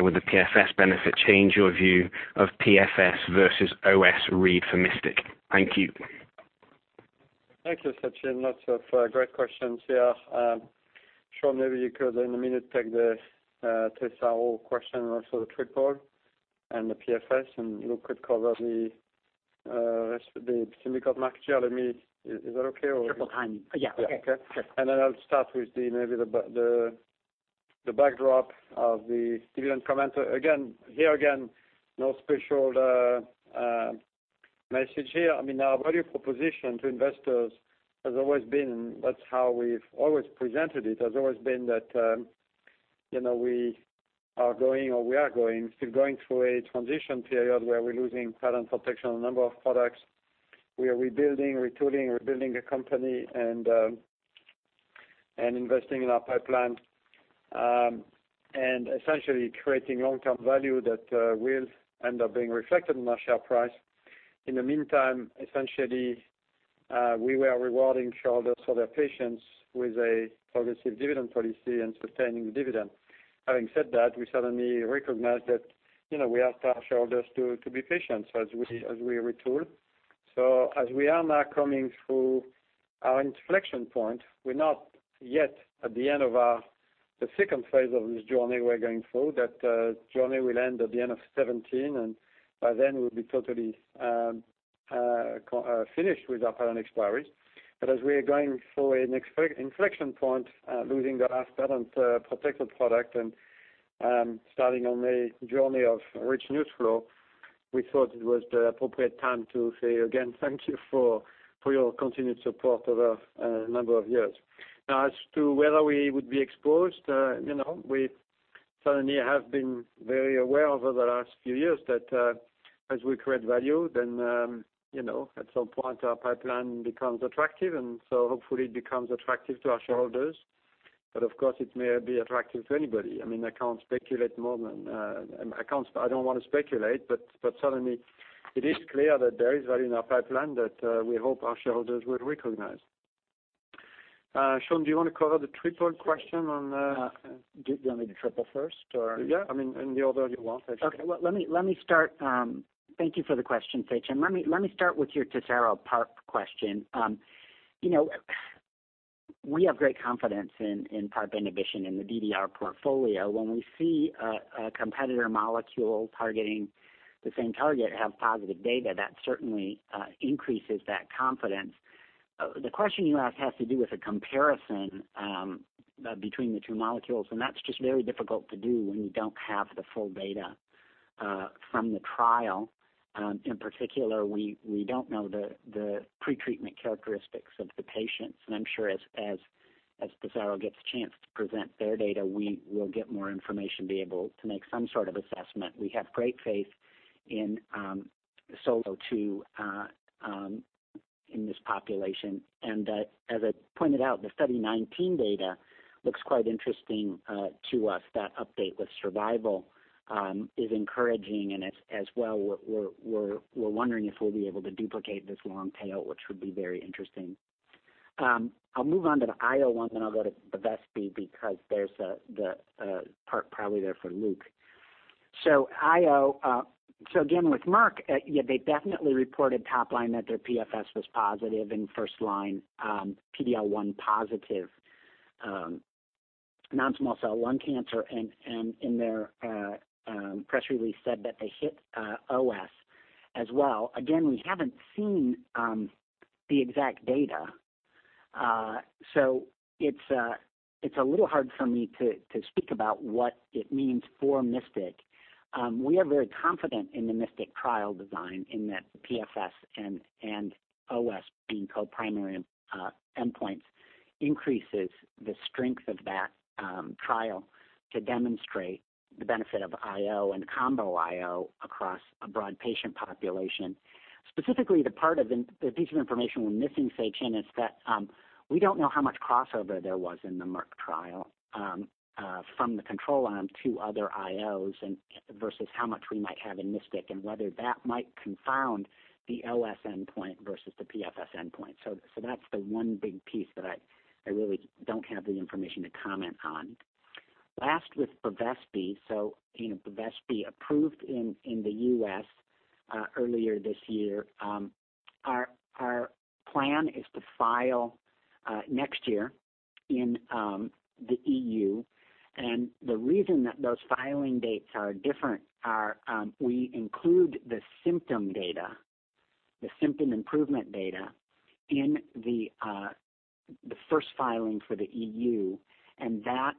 with the PFS benefit change your view of PFS versus OS read for MYSTIC? Thank you. Thank you, Sachin. Lots of great questions here. Sean, maybe you could, in a minute, take the TESARO question, also the triple and the PFS, and Luke could cover the Symbicort market share. Is that okay? Triple timing. Yeah, okay. I'll start with maybe the backdrop of the dividend comment. Here again, no special message here. Our value proposition to investors has always been, that's how we've always presented it, has always been that we are going through a transition period where we're losing patent protection on a number of products. We are rebuilding, retooling, rebuilding a company, and investing in our pipeline. Essentially creating long-term value that will end up being reflected in our share price. In the meantime, essentially, we were rewarding shareholders for their patience with a policy of dividend policy and sustaining the dividend. Having said that, we certainly recognize that we ask our shareholders to be patient as we retool. As we are now coming through our inflection point, we're not yet at the end of the phase II of this journey we're going through. That journey will end at the end of 2017, and by then we'll be totally finished with our patent expiries. As we are going through an inflection point, losing the last patent-protected product and starting on a journey of rich news flow, we thought it was the appropriate time to say again, thank you for your continued support over a number of years. As to whether we would be exposed, we certainly have been very aware over the last few years that as we create value, then at some point our pipeline becomes attractive, and hopefully it becomes attractive to our shareholders. Of course, it may be attractive to anybody. I can't speculate more than I don't want to speculate, certainly it is clear that there is value in our pipeline that we hope our shareholders would recognize. Sean, do you want to cover the triple question on the- Do you want me to do triple first or? Yeah. In the order you want, Sean. Well, let me start. Thank you for the question, Sachin. Let me start with your TESARO PARP question. We have great confidence in PARP inhibition in the DDR portfolio. When we see a competitor molecule targeting the same target have positive data, that certainly increases that confidence. The question you ask has to do with a comparison between the two molecules, and that's just very difficult to do when you don't have the full data from the trial. In particular, we don't know the pre-treatment characteristics of the patients, and I'm sure as TESARO gets a chance to present their data, we will get more information, be able to make some sort of assessment. We have great faith in SOLO2 in this population, and as I pointed out, the Study 19 data looks quite interesting to us. That update with survival is encouraging. As well, we're wondering if we'll be able to duplicate this long tail, which would be very interesting. I'll move on to the IO one, then I'll go to Bevespi because there's the part probably there for Luke. IO. Again, with Merck, they definitely reported top line that their PFS was positive in first-line PD-L1 positive non-small cell lung cancer, and in their press release said that they hit OS as well. Again, we haven't seen the exact data. It's a little hard for me to speak about what it means for MYSTIC. We are very confident in the MYSTIC trial design in that PFS and OS being co-primary endpoints increases the strength of that trial to demonstrate the benefit of IO and combo IO across a broad patient population. Specifically, the part of the piece of information we're missing, Sachin, is that we don't know how much crossover there was in the Merck trial from the control arm to other IOs versus how much we might have in MYSTIC and whether that might confound the OS endpoint versus the PFS endpoint. That's the one big piece that I really don't have the information to comment on. Last, with Bevespi. Bevespi approved in the U.S. earlier this year. Our plan is to file next year in the EU, and the reason that those filing dates are different are we include the symptom data, the symptom improvement data in the first filing for the EU, and that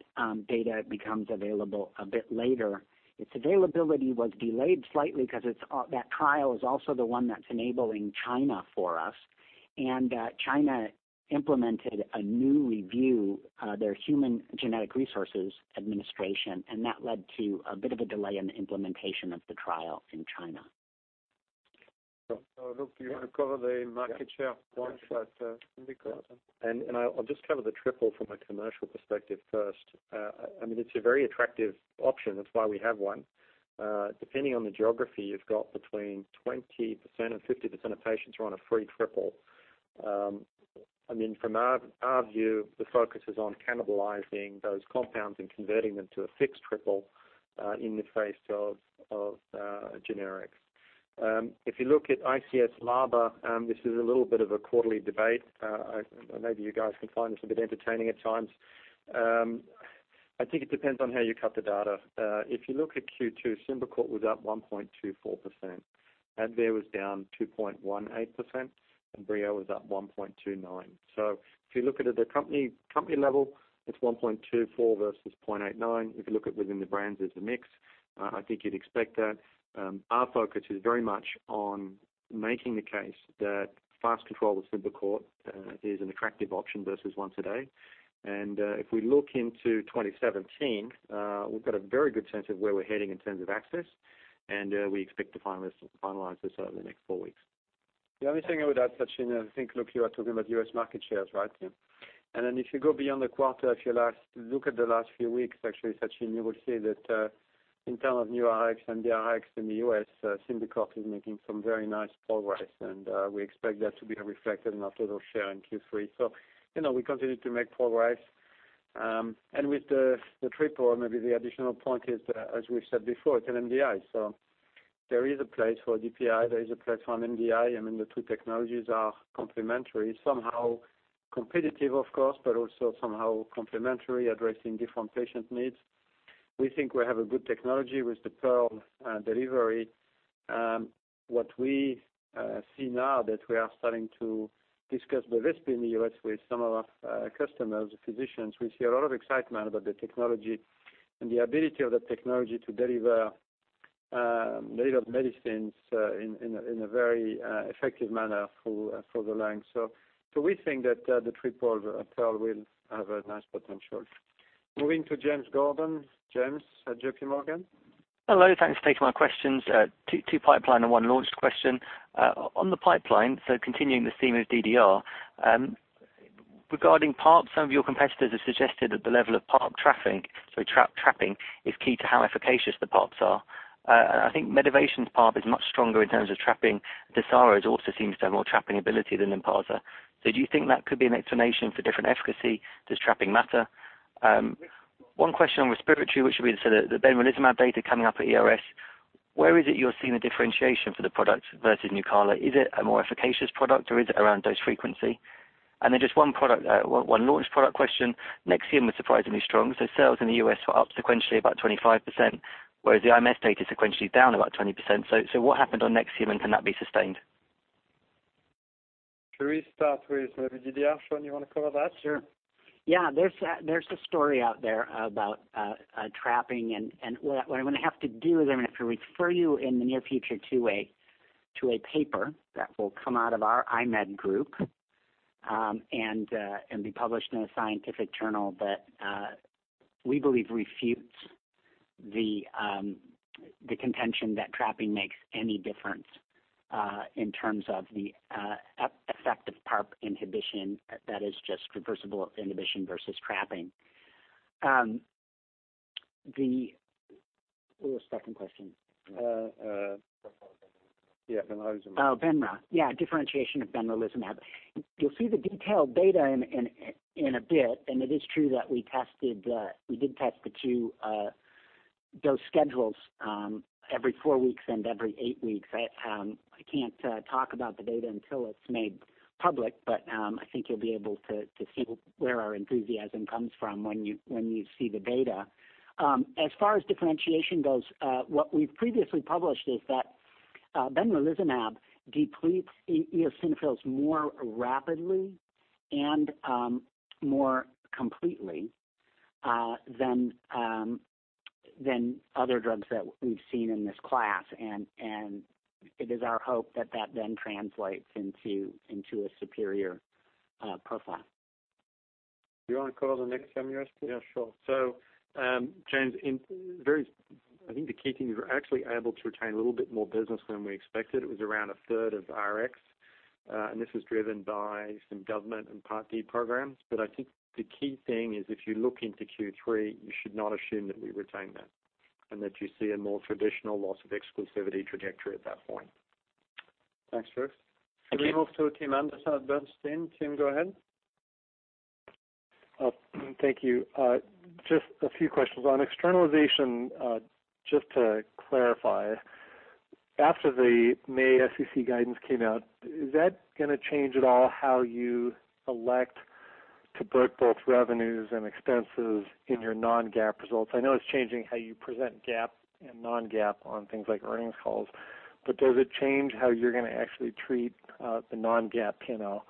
data becomes available a bit later. Its availability was delayed slightly because that trial is also the one that's enabling China for us. China implemented a new review, their Human Genetic Resources Administration, and that led to a bit of a delay in the implementation of the trial in China. Luke, do you want to cover the market share once. I'll just cover the triple from a commercial perspective first. It's a very attractive option. That's why we have one. Depending on the geography, you've got between 20%-50% of patients who are on a free triple. From our view, the focus is on cannibalizing those compounds and converting them to a fixed triple in the face of generics. If you look at ICS/LABA, this is a little bit of a quarterly debate. Maybe you guys can find this a bit entertaining at times. I think it depends on how you cut the data. If you look at Q2, Symbicort was up 1.24%, Advair was down 2.18%, and Breo was up 1.29%. If you look at it at company level, it's 1.24% versus 0.89%. If you look at within the brands as a mix, I think you'd expect that. Our focus is very much on making the case that fast control of Symbicort is an attractive option versus once a day. If we look into 2017, we've got a very good sense of where we're heading in terms of access, and we expect to finalize this over the next four weeks. The only thing I would add, Sachin, I think, Luke, you are talking about U.S. market shares, right? Yeah. If you go beyond the quarter, if you look at the last few weeks, actually, Sachin, you will see that in term of new Rx and the Rx in the U.S., Symbicort is making some very nice progress, and we expect that to be reflected in our total share in Q3. We continue to make progress. With the triple, maybe the additional point is, as we've said before, it's an MDI. There is a place for DPI, there is a place for an MDI. The two technologies are complementary, somehow competitive, of course, but also somehow complementary, addressing different patient needs. We think we have a good technology with the Pressair delivery. What we see now that we are starting to discuss Bevespi in the U.S. with some of our customers, the physicians, we see a lot of excitement about the technology and the ability of that technology to deliver medicines in a very effective manner for the lung. We think that the triple Pressair will have a nice potential. Moving to James Gordon. James at J.P. Morgan. Hello. Thanks for taking my questions. Two pipeline and one launch question. On the pipeline, continuing the theme of DDR. Regarding PARP, some of your competitors have suggested that the level of PARP trapping is key to how efficacious the PARPs are. I think Medivation's PARP is much stronger in terms of trapping. TESARO's also seems to have more trapping ability than olaparib. Do you think that could be an explanation for different efficacy, does trapping matter? One question on respiratory, which would be, the benralizumab data coming up at ERS, where is it you're seeing the differentiation for the product versus Nucala? Is it a more efficacious product or is it around dose frequency? Just one launch product question. Nexium was surprisingly strong, sales in the U.S. were up sequentially about 25%, whereas the IMS data sequentially down about 20%. What happened on Nexium and can that be sustained? Should we start with maybe DDR? Sean, you want to cover that? Sure. There's a story out there about trapping and what I'm going to have to do is I'm going to refer you in the near future to a paper that will come out of our IMED group, and be published in a scientific journal that we believe refutes the contention that trapping makes any difference in terms of the effective PARP inhibition that is just reversible inhibition versus trapping. What was the second question? Benralizumab. Benra. Differentiation of benralizumab. You'll see the detailed data in a bit, it is true that we did test the two dose schedules every four weeks and every eight weeks. I can't talk about the data until it's made public, I think you'll be able to see where our enthusiasm comes from when you see the data. As far as differentiation goes, what we've previously published is that benralizumab depletes eosinophils more rapidly and more completely than other drugs that we've seen in this class. It is our hope that then translates into a superior profile. You want to cover the Nexium rest? Sure. James, I think the key thing is we're actually able to retain a little bit more business than we expected. It was around a third of RX, this was driven by some government and Part D programs. I think the key thing is if you look into Q3, you should not assume that we retain that and that you see a more traditional loss of exclusivity trajectory at that point. Thanks, Luke. Thank you. Should we move to Tim Anderson at Bernstein? Tim, go ahead. Thank you. Just a few questions. On externalization, just to clarify, after the May SEC guidance came out, is that going to change at all how you elect to book both revenues and expenses in your non-GAAP results? I know it's changing how you present GAAP and non-GAAP on things like earnings calls, but does it change how you're going to actually treat the non-GAAP P&L?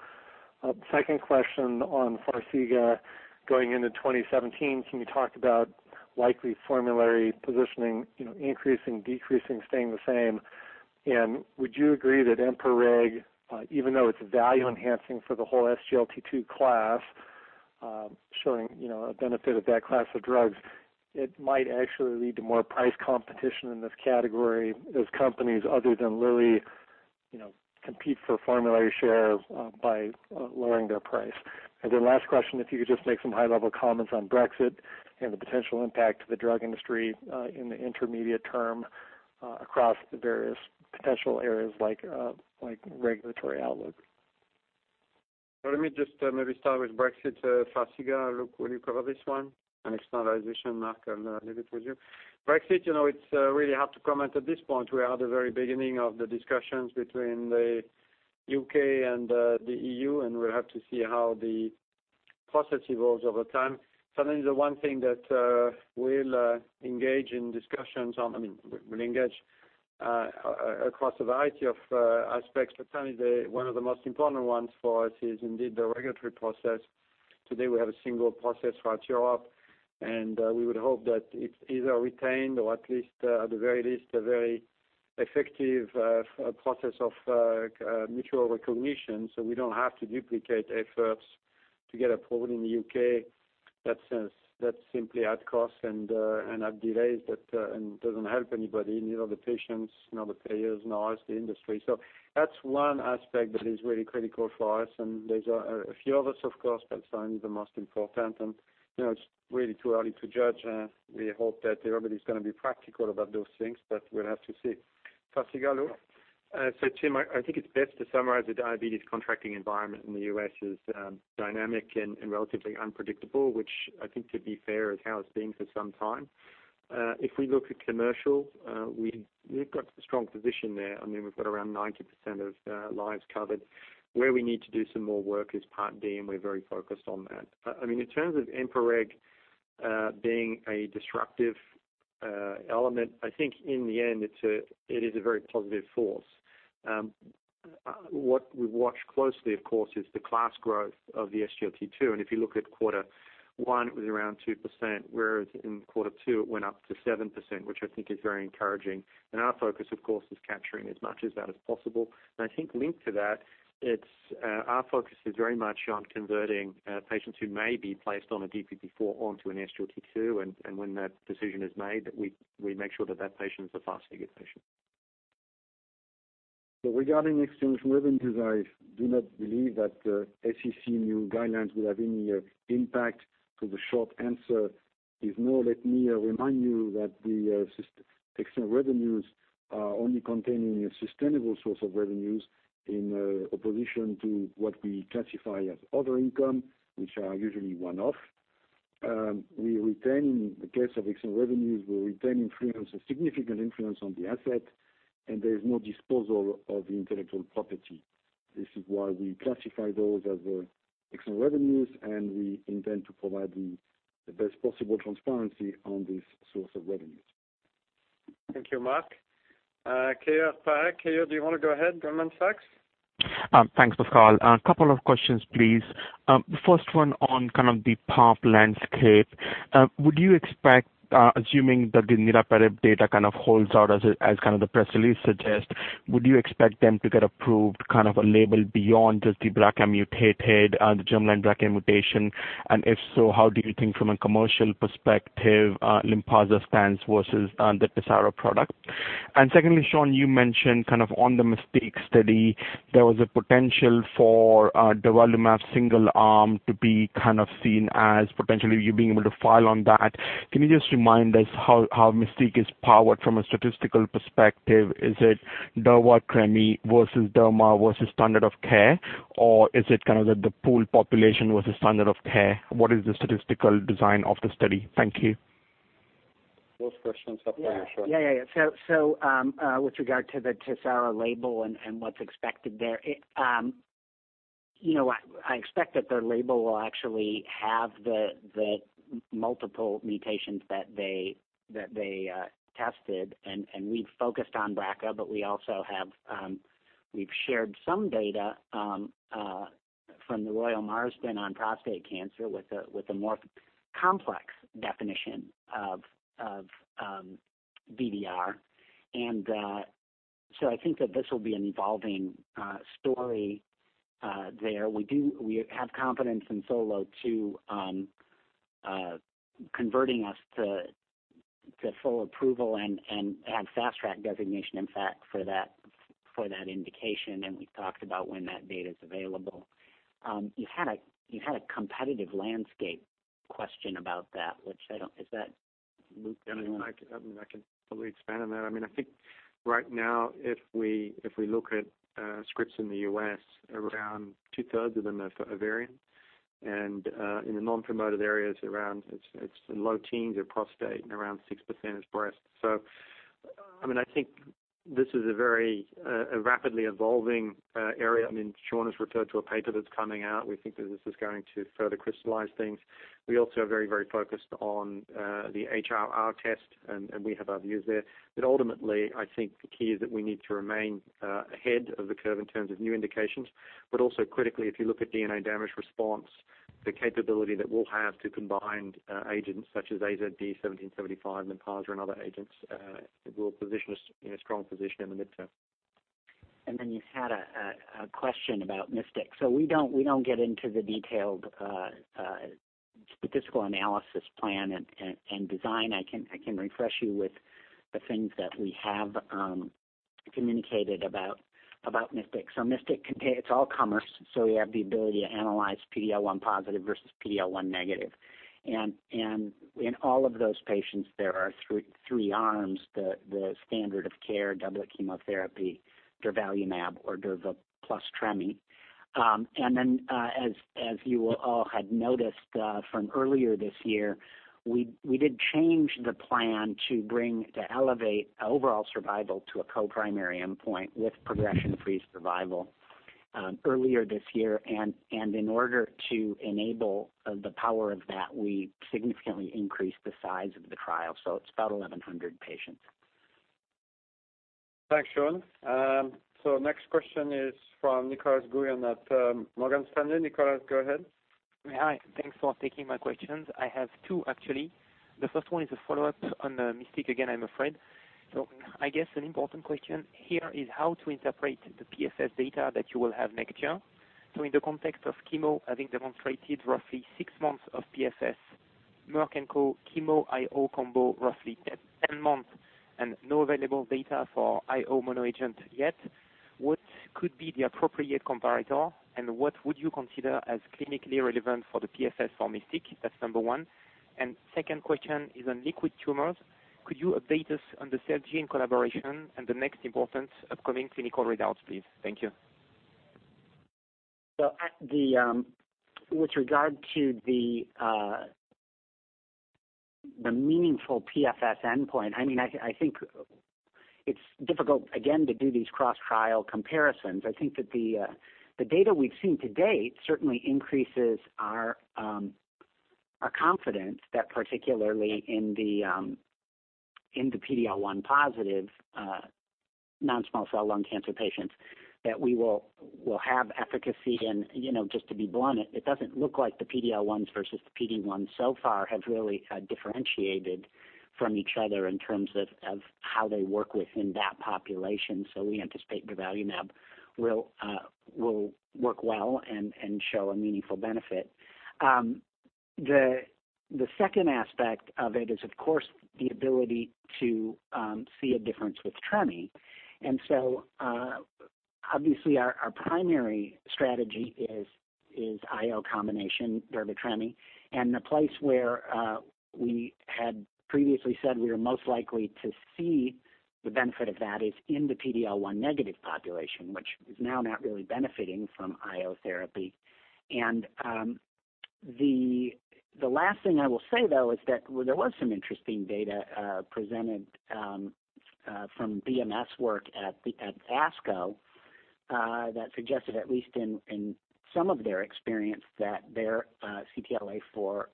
Second question on Farxiga. Going into 2017, can you talk about likely formulary positioning, increasing, decreasing, staying the same? Would you agree that EMPA-REG, even though it's value enhancing for the whole SGLT2 class, showing a benefit of that class of drugs, it might actually lead to more price competition in this category as companies other than Lilly compete for formulary share by lowering their price. Then last question, if you could just make some high-level comments on Brexit and the potential impact to the drug industry in the intermediate term across the various potential areas like regulatory outlook. Let me just maybe start with Brexit. Farxiga, Luke, will you cover this one and externalization, Marc, I'll leave it with you. Brexit, it's really hard to comment at this point. We are at the very beginning of the discussions between the U.K. and the EU, and we'll have to see how the process evolves over time. Certainly, the one thing that we'll engage in discussions on, I mean, we'll engage across a variety of aspects, but certainly one of the most important ones for us is indeed the regulatory process. Today, we have a single process for Europe, and we would hope that it's either retained or at least, at the very least, a very effective process of mutual recognition. We don't have to duplicate efforts to get approved in the U.K. That simply add costs and add delays, and doesn't help anybody, neither the patients nor the payers, nor us, the industry. That's one aspect that is really critical for us. There's a few others, of course, but certainly the most important. It's really too early to judge. We hope that everybody's going to be practical about those things, but we'll have to see. Farxiga, Luke. Tim, I think it's best to summarize the diabetes contracting environment in the U.S. is dynamic and relatively unpredictable, which I think to be fair is how it's been for some time. If we look at commercial, we've got a strong position there. I mean, we've got around 90% of lives covered. Where we need to do some more work is Part D, and we're very focused on that. In terms of EMPA-REG being a disruptive element, I think in the end, it is a very positive force. What we watch closely, of course, is the class growth of the SGLT2. If you look at quarter one, it was around 2%, whereas in quarter two, it went up to 7%, which I think is very encouraging. Our focus, of course, is capturing as much as that is possible. I think linked to that, our focus is very much on converting patients who may be placed on a DPP4 onto an SGLT2. When that decision is made, we make sure that that patient is a Farxiga patient. Regarding external revenue, guys, do not believe that SEC new guidelines will have any impact. The short answer is no. Let me remind you that the external revenues are only containing a sustainable source of revenues in opposition to what we classify as other income, which are usually one-off. In the case of external revenues, we retain a significant influence on the asset. There is no disposal of intellectual property. This is why we classify those as external revenues. We intend to provide the best possible transparency on this source of revenues. Thank you, Marc. Keyur Parekh. Keyur, do you want to go ahead, Goldman Sachs? Thanks, Pascal. A couple of questions, please. First one on kind of the PARP landscape. If so, how do you think from a commercial perspective, Lynparza stands versus the TESARO product? Secondly, Sean, you mentioned kind of on the MYSTIC study, there was a potential for durvalumab single arm to be kind of seen as potentially you being able to file on that. Can you just remind us how MYSTIC is powered from a statistical perspective? Is it durva/tremi versus durva versus standard of care, or is it kind of that the pool population was the standard of care? What is the statistical design of the study? Thank you. Those questions are for you, Sean. Yeah. With regard to the TESARO label and what's expected there, I expect that their label will actually have the multiple mutations that they tested, and we've focused on BRCA, but we've shared some data from the Royal Marsden on prostate cancer with a more complex definition of DDR. I think that this will be an evolving story there. We have confidence in SOLO2 converting us to full approval and have Fast Track designation, in fact, for that indication. We've talked about when that data's available. You had a competitive landscape question about that. Is that Luke? I mean, I can probably expand on that. I think right now, if we look at scripts in the U.S., around two-thirds of them are for ovarian, and in the non-promoted areas, it's in low teens are prostate and around 6% is breast. I think this is a very rapidly evolving area. Sean has referred to a paper that's coming out. We think that this is going to further crystallize things. We also are very focused on the HRR test, and we have our views there. Ultimately, I think the key is that we need to remain ahead of the curve in terms of new indications, but also critically, if you look at DNA damage response, the capability that we'll have to combine agents such as AZD1775, Lynparza, and other agents will put us in a strong position in the midterm. You had a question about MYSTIC. We don't get into the detailed statistical analysis plan and design. I can refresh you with the things that we have communicated about MYSTIC. MYSTIC, it's all comers, so we have the ability to analyze PD-L1 positive versus PD-L1 negative. In all of those patients, there are three arms, the standard of care double chemotherapy, durvalumab or durva + treme. As you all had noticed from earlier this year, we did change the plan to elevate overall survival to a co-primary endpoint with progression-free survival earlier this year. In order to enable the power of that, we significantly increased the size of the trial. It's about 1,100 patients. Thanks, Sean. Next question is from Nicolas Gouyon at Morgan Stanley. Nicolas, go ahead. Hi. Thanks for taking my questions. I have two, actually. The first one is a follow-up on MYSTIC again, I'm afraid. I guess an important question here is how to interpret the PFS data that you will have next year. In the context of chemo having demonstrated roughly six months of PFS, Merck & Co. chemo IO combo roughly 10 months, and no available data for IO mono agent yet, what could be the appropriate comparator, and what would you consider as clinically relevant for the PFS for MYSTIC? That's number one. Second question is on liquid tumors. Could you update us on the Celgene collaboration and the next important upcoming clinical readouts, please? Thank you. With regard to the meaningful PFS endpoint, I think it's difficult, again, to do these cross-trial comparisons. I think that the data we've seen to date certainly increases our confidence that particularly in the PD-L1 positive non-small cell lung cancer patients, that we will have efficacy. Just to be blunt, it doesn't look like the PD-L1s versus the PD-1s so far have really differentiated from each other in terms of how they work within that population. We anticipate durvalumab will work well and show a meaningful benefit. The second aspect of it is, of course, the ability to see a difference with tremi. Obviously, our primary strategy is IO combination, durva tremi, and the place where we had previously said we were most likely to see the benefit of that is in the PD-L1 negative population, which is now not really benefiting from IO therapy. The last thing I will say, though, is that there was some interesting data presented from BMS work at ASCO that suggested, at least in some of their experience, that their CTLA-4,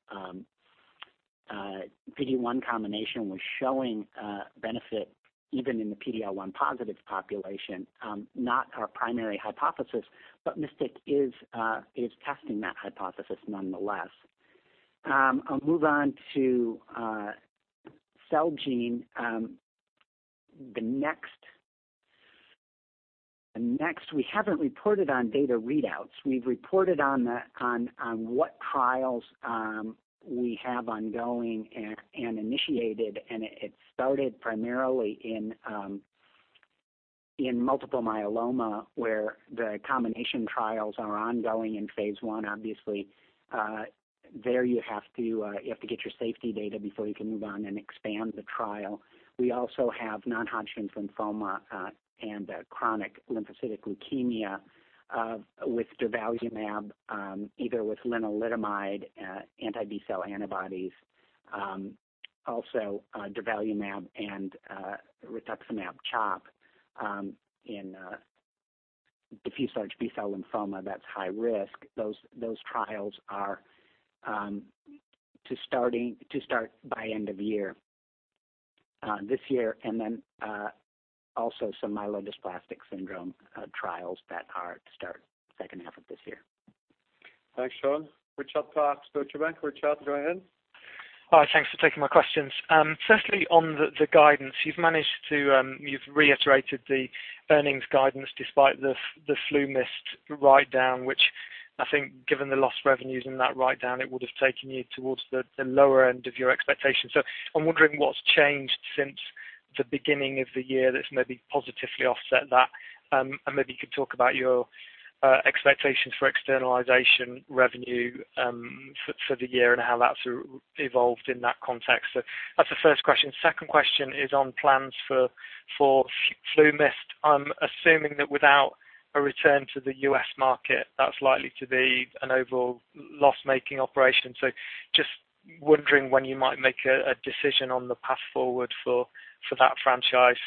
PD-1 combination was showing benefit even in the PD-L1 positive population. Not our primary hypothesis, but MYSTIC is testing that hypothesis nonetheless. I'll move on to Celgene. We haven't reported on data readouts. We've reported on what trials we have ongoing and initiated, and it started primarily in multiple myeloma, where the combination trials are ongoing in phase I. Obviously, there you have to get your safety data before you can move on and expand the trial. We also have non-Hodgkin lymphoma and chronic lymphocytic leukemia with durvalumab either with lenalidomide, anti-B-cell antibodies. Also durvalumab and rituximab chop in diffuse large B-cell lymphoma that's high risk. Those trials are to start by end of year this year. Also some myelodysplastic syndrome trials that are to start second half of this year. Thanks, Sean. Richard Parkes, Deutsche Bank. Richard, go ahead. Hi, thanks for taking my questions. Firstly, on the guidance. You've reiterated the earnings guidance despite the FluMist writedown, which I think given the lost revenues in that writedown, it would have taken you towards the lower end of your expectations. I'm wondering what's changed since the beginning of the year that's maybe positively offset that, and maybe you could talk about your expectations for externalization revenue for the year and how that's evolved in that context. That's the first question. Second question is on plans for FluMist. I'm assuming that without a return to the U.S. market, that's likely to be an overall loss-making operation. Just wondering when you might make a decision on the path forward for that franchise.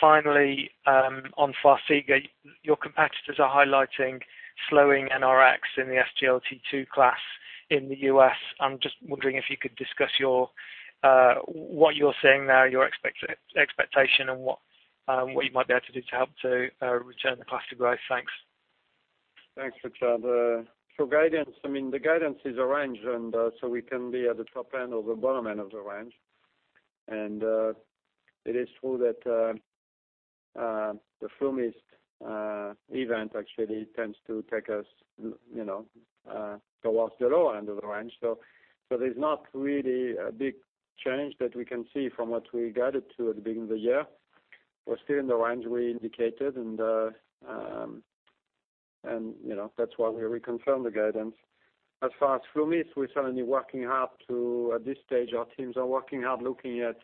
Finally, on Farxiga, your competitors are highlighting slowing NRX in the SGLT2 class in the U.S. I'm just wondering if you could discuss what you're seeing there, your expectation and what you might be able to do to help to return the class to growth. Thanks. Thanks, Richard. For guidance, the guidance is a range, we can be at the top end or the bottom end of the range. It is true that the FluMist event actually tends to take us towards the lower end of the range. There's not really a big change that we can see from what we guided to at the beginning of the year. We're still in the range we indicated, that's why we reconfirm the guidance. As far as FluMist, at this stage, our teams are working hard looking at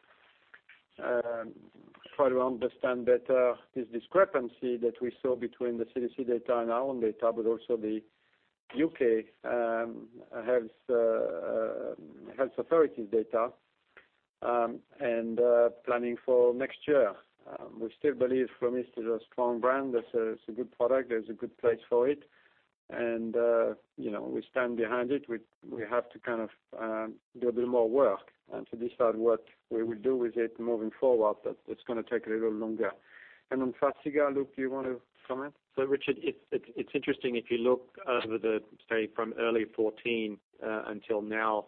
trying to understand better this discrepancy that we saw between the CDC data and our own data, also the U.K. health authorities data and planning for next year. We still believe FluMist is a strong brand. It's a good product. There's a good place for it, we stand behind it. We have to do a little more work to decide what we will do with it moving forward, it's going to take a little longer. On Farxiga, Luke, do you want to comment? Richard, it's interesting if you look over say from early 2014 until now,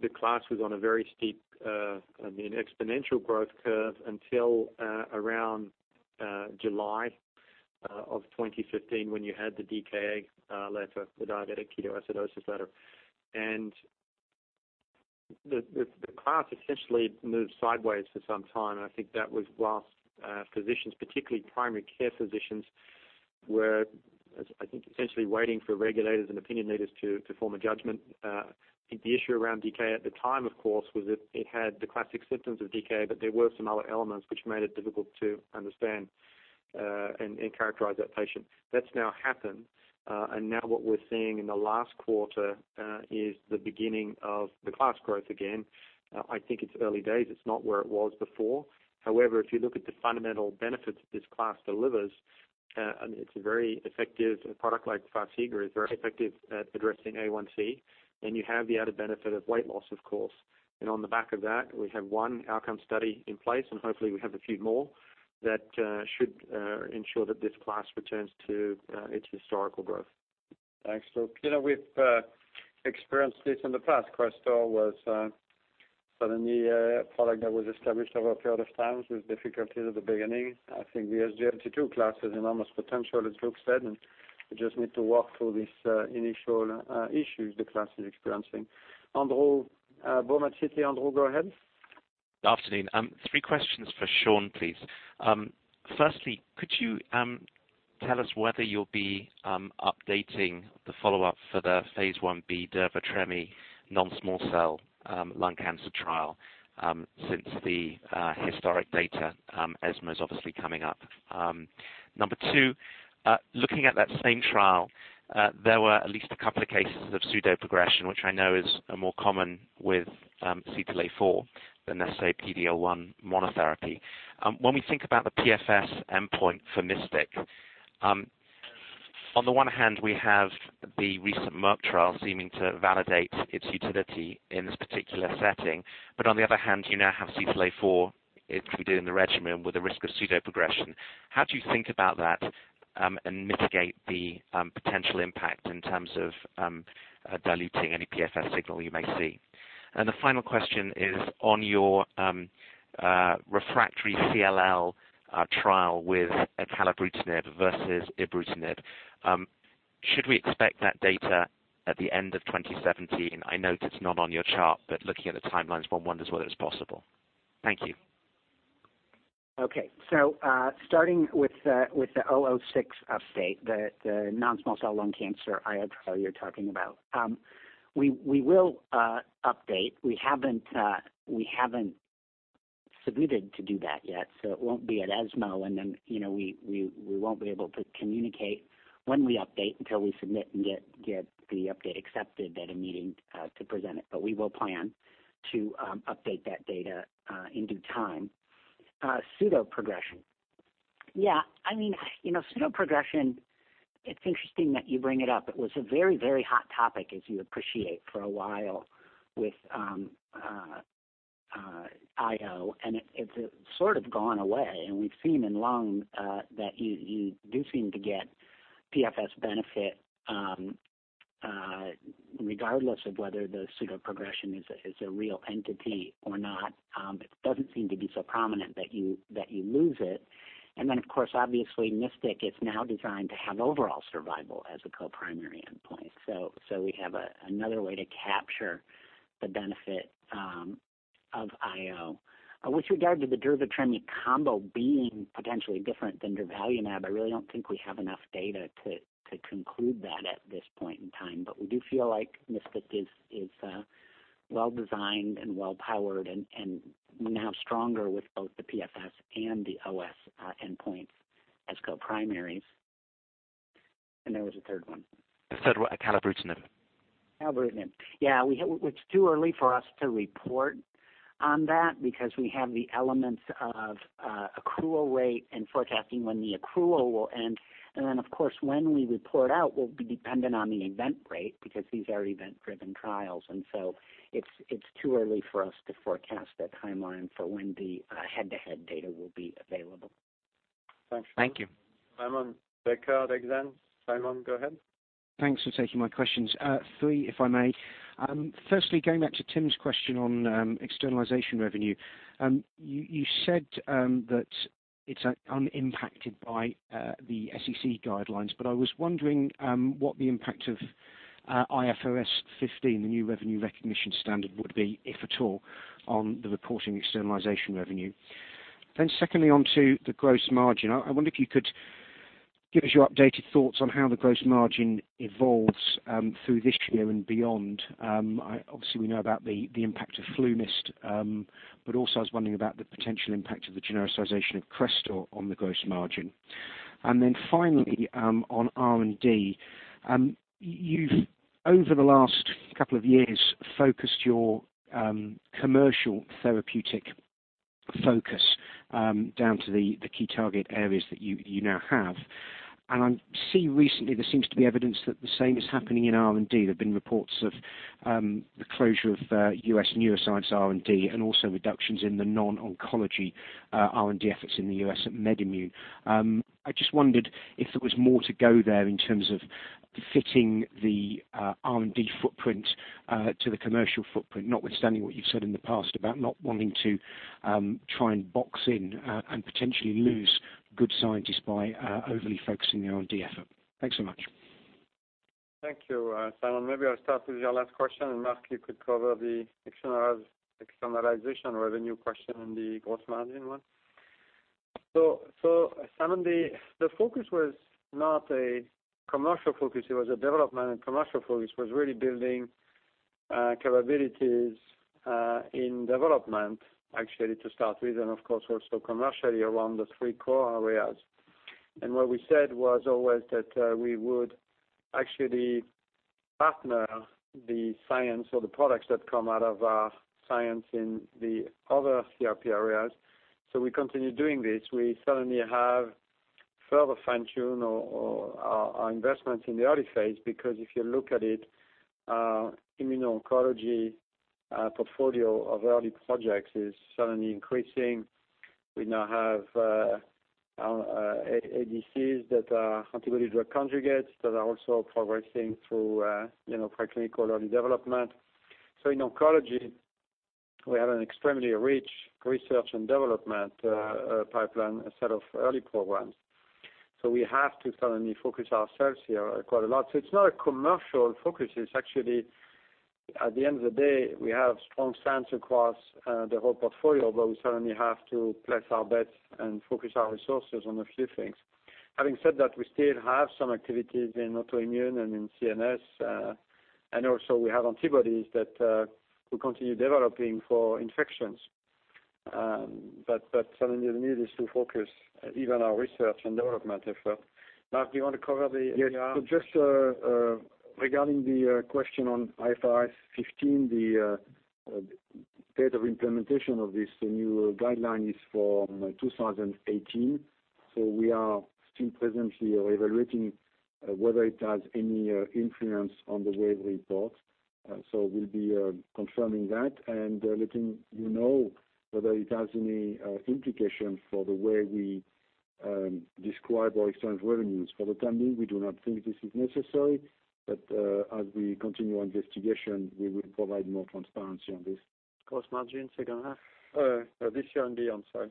the class was on a very steep exponential growth curve until around July 2015 when you had the DKA letter, the diabetic ketoacidosis letter. The class essentially moved sideways for some time, and that was whilst physicians, particularly primary care physicians, were essentially waiting for regulators and opinion leaders to form a judgment. The issue around DKA at the time, of course, was that it had the classic symptoms of DKA, but there were some other elements which made it difficult to understand and characterize that patient. That's now happened, and what we're seeing in the last quarter is the beginning of the class growth again. It's early days. It's not where it was before. However, if you look at the fundamental benefits this class delivers, a product like Farxiga is very effective at addressing A1c, and you have the added benefit of weight loss, of course. On the back of that, we have one outcome study in place, and hopefully we have a few more that should ensure that this class returns to its historical growth. Thanks, Luke. We've experienced this in the past. Crestor was certainly a product that was established over a period of time with difficulties at the beginning. The SGLT2 class has enormous potential, as Luke said, and we just need to work through these initial issues the class is experiencing. Andrew Baum Citi. Andrew, go ahead. Good afternoon. Three questions for Sean, please. Firstly, could you tell us whether you'll be updating the follow-up for the phase I-B durva + treme non-small cell lung cancer trial since the historic data, ESMO's obviously coming up. Number two, looking at that same trial, there were at least a couple of cases of pseudoprogression, which I know is more common with CTLA-4 than, let's say, PD-L1 monotherapy. When we think about the PFS endpoint for MYSTIC, on the one hand, we have the recent Merck trial seeming to validate its utility in this particular setting. On the other hand, you now have CTLA-4 included in the regimen with the risk of pseudoprogression. How do you think about that and mitigate the potential impact in terms of diluting any PFS signal you may see? The final question is on your refractory CLL trial with acalabrutinib versus ibrutinib. Should we expect that data at the end of 2017? I note it's not on your chart, but looking at the timelines, one wonders whether it's possible. Thank you. Starting with the 006 update, the non-small cell lung cancer IO trial you're talking about. We will update. We haven't submitted to do that yet, it won't be at ESMO, and we won't be able to communicate when we update until we submit and get the update accepted at a meeting to present it. We will plan to update that data in due time. Pseudoprogression. Pseudoprogression, it's interesting that you bring it up. It was a very hot topic, as you appreciate, for a while with IO, and it's sort of gone away, and we've seen in lung, that you do seem to get PFS benefit, regardless of whether the pseudoprogression is a real entity or not. It doesn't seem to be so prominent that you lose it. Of course, obviously MYSTIC is now designed to have overall survival as a co-primary endpoint. We have another way to capture the benefit of IO. With regard to the durva + treme combo being potentially different than durvalumab, I really don't think we have enough data to conclude that at this point in time. We do feel like MYSTIC is well-designed and well-powered and now stronger with both the PFS and the OS endpoints as co-primaries. There was a third one. The third one, acalabrutinib. Acalabrutinib. Yeah. It's too early for us to report on that because we have the elements of accrual rate and forecasting when the accrual will end. Of course, when we report out will be dependent on the event rate because these are event-driven trials, it's too early for us to forecast a timeline for when the head-to-head data will be available. Thanks. Thank you. Simon Deckard, Exane. Simon, go ahead. Thanks for taking my questions. Three, if I may. Firstly, going back to Tim's question on externalization revenue. You said that it's unimpacted by the SEC guidelines, but I was wondering what the impact of IFRS 15, the new revenue recognition standard, would be, if at all, on the reporting of externalization revenue. Secondly, on to the gross margin. I wonder if you could give us your updated thoughts on how the gross margin evolves through this year and beyond. Obviously, we know about the impact of FluMist, but also I was wondering about the potential impact of the genericization of Crestor on the gross margin. Finally, on R&D. You've, over the last couple of years, focused your commercial therapeutic focus down to the key target areas that you now have. I see recently there seems to be evidence that the same is happening in R&D. There've been reports of the closure of U.S. neuroscience R&D and also reductions in the non-oncology R&D efforts in the U.S. at MedImmune. I just wondered if there was more to go there in terms of fitting the R&D footprint to the commercial footprint, notwithstanding what you've said in the past about not wanting to try and box in and potentially lose good scientists by overly focusing the R&D effort. Thanks so much. Thank you, Simon. Maybe I'll start with your last question, Marc, you could cover the externalization revenue question and the gross margin one. Simon, the focus was not a commercial focus. It was a development and commercial focus, was really building capabilities in development, actually, to start with, and of course, also commercially around the three core areas. What we said was always that we would actually partner the science or the products that come out of our science in the other CRP areas. We continue doing this. We certainly have further fine-tuned our investments in the early phase, because if you look at it, immuno-oncology portfolio of early projects is certainly increasing. We now have ADCs, that are antibody drug conjugates, that are also progressing through preclinical early development. In oncology, we have an extremely rich research and development pipeline set of early programs. We have to suddenly focus ourselves here quite a lot. It's not a commercial focus. It's actually, at the end of the day, we have strong sense across the whole portfolio, we suddenly have to place our bets and focus our resources on a few things. Having said that, we still have some activities in autoimmune and in CNS, and also we have antibodies that we continue developing for infections. Suddenly we needed to focus even our research and development effort. Marc, do you want to cover the- Yes. Just regarding the question on IFRS 15, the date of implementation of this new guideline is for 2018. We are still presently evaluating whether it has any influence on the way we report. We'll be confirming that and letting you know whether it has any implications for the way we describe our external revenues. For the time being, we do not think this is necessary, but as we continue our investigation, we will provide more transparency on this. Gross margin second half? This year and beyond, sorry.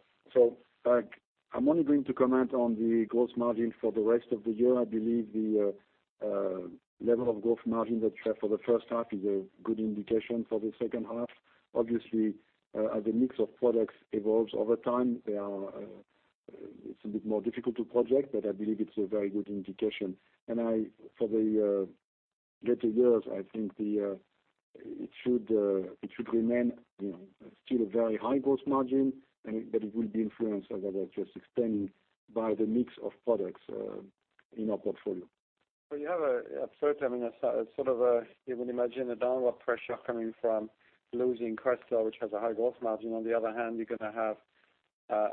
I'm only going to comment on the gross margin for the rest of the year. I believe the level of gross margin that you had for the first half is a good indication for the second half. Obviously, as the mix of products evolves over time, it's a bit more difficult to project, but I believe it's a very good indication. For the later years, I think it should remain still a very high gross margin, but it will be influenced, as I just explained, by the mix of products in our portfolio. You have a sort of, you would imagine a downward pressure coming from losing Crestor, which has a high gross margin. On the other hand, you're going to have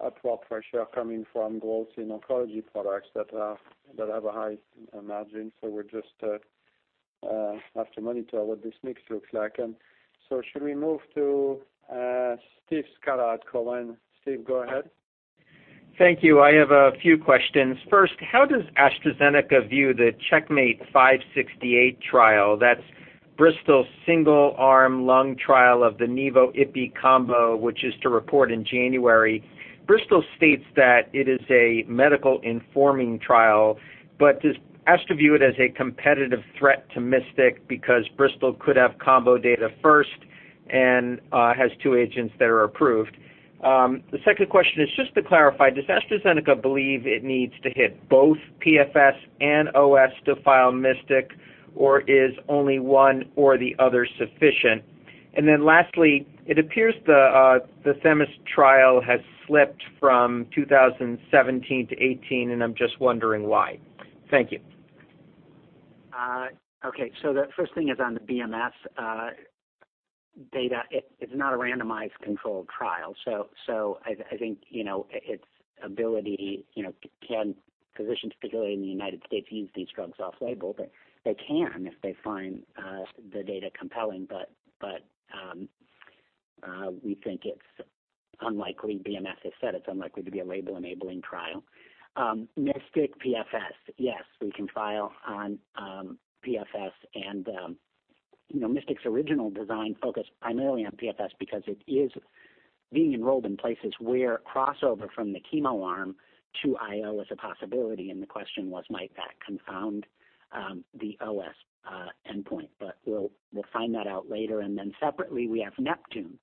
upward pressure coming from growth in oncology products that have a high margin. We just have to monitor what this mix looks like. Should we move to Steve Scala at Cowen. Steve, go ahead. Thank you. I have a few questions. First, how does AstraZeneca view the CheckMate 568 trial? That's Bristol's single-arm lung trial of the nivo/ipi combo, which is to report in January. Bristol states that it is a medical informing trial, but does Astra view it as a competitive threat to MYSTIC because Bristol could have combo data first and has two agents that are approved? The second question is just to clarify, does AstraZeneca believe it needs to hit both PFS and OS to file MYSTIC, or is only one or the other sufficient? Lastly, it appears the THEMIS trial has slipped from 2017 to 2018, and I'm just wondering why. Thank you. Okay. The first thing is on the BMS data. It's not a randomized controlled trial. I think its ability, can physicians, particularly in the United States, use these drugs off label? They can, if they find the data compelling, but we think it's unlikely. BMS has said it's unlikely to be a label-enabling trial. MYSTIC PFS. Yes, we can file on PFS and MYSTIC's original design focused primarily on PFS because it is being enrolled in places where crossover from the chemo arm to IO is a possibility, and the question was, might that confound the OS endpoint? We'll find that out later. Separately, we have NEPTUNE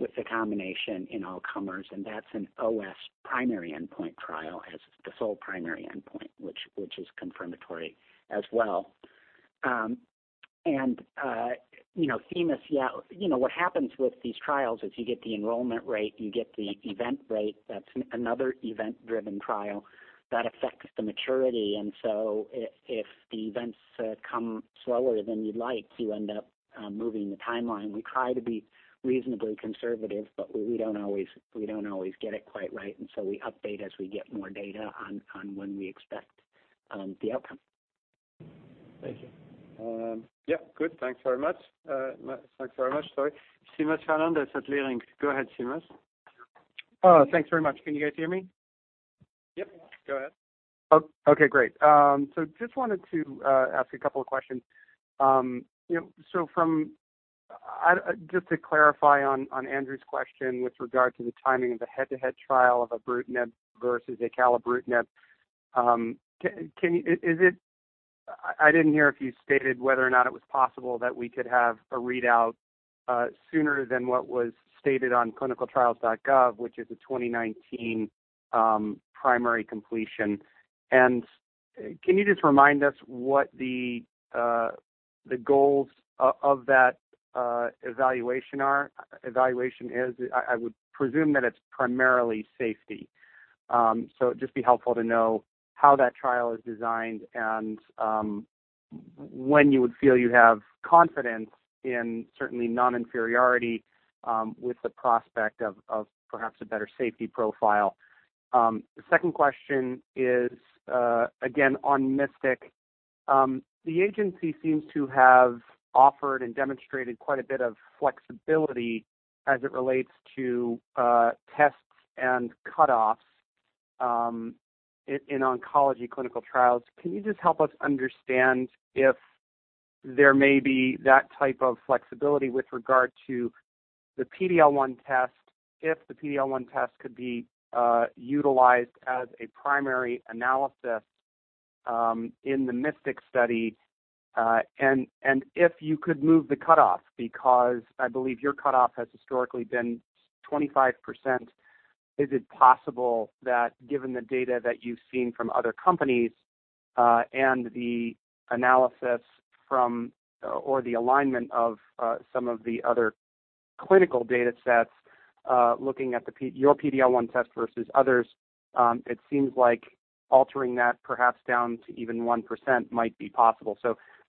with the combination in all comers, and that's an OS primary endpoint trial as the sole primary endpoint, which is confirmatory as well. THEMIS, yeah. What happens with these trials is you get the enrollment rate, you get the event rate. That's another event-driven trial that affects the maturity. If the events come slower than you'd like, you end up moving the timeline. We try to be reasonably conservative, but we don't always get it quite right. We update as we get more data on when we expect the outcome. Thank you. Yeah. Good. Thanks very much. Seamus Fernandez at Leerink. Go ahead, Seamus. Thanks very much. Can you guys hear me? Yep. Go ahead. Okay, great. Just wanted to ask a couple of questions. Just to clarify on Andrew's question with regard to the timing of the head-to-head trial of ibrutinib versus acalabrutinib, I didn't hear if you stated whether or not it was possible that we could have a readout sooner than what was stated on clinicaltrials.gov, which is a 2019 primary completion. Can you just remind us what the goals of that evaluation is? I would presume that it's primarily safety. It'd just be helpful to know how that trial is designed and when you would feel you have confidence in certainly non-inferiority with the prospect of perhaps a better safety profile. The second question is, again, on MYSTIC. The agency seems to have offered and demonstrated quite a bit of flexibility as it relates to tests and cutoffs in oncology clinical trials. Can you just help us understand if there may be that type of flexibility with regard to the PD-L1 test, if the PD-L1 test could be utilized as a primary analysis in the MYSTIC study? If you could move the cutoff, because I believe your cutoff has historically been 25%. Is it possible that given the data that you've seen from other companies, the analysis from, or the alignment of some of the other clinical data sets, looking at your PD-L1 test versus others, it seems like altering that perhaps down to even 1% might be possible.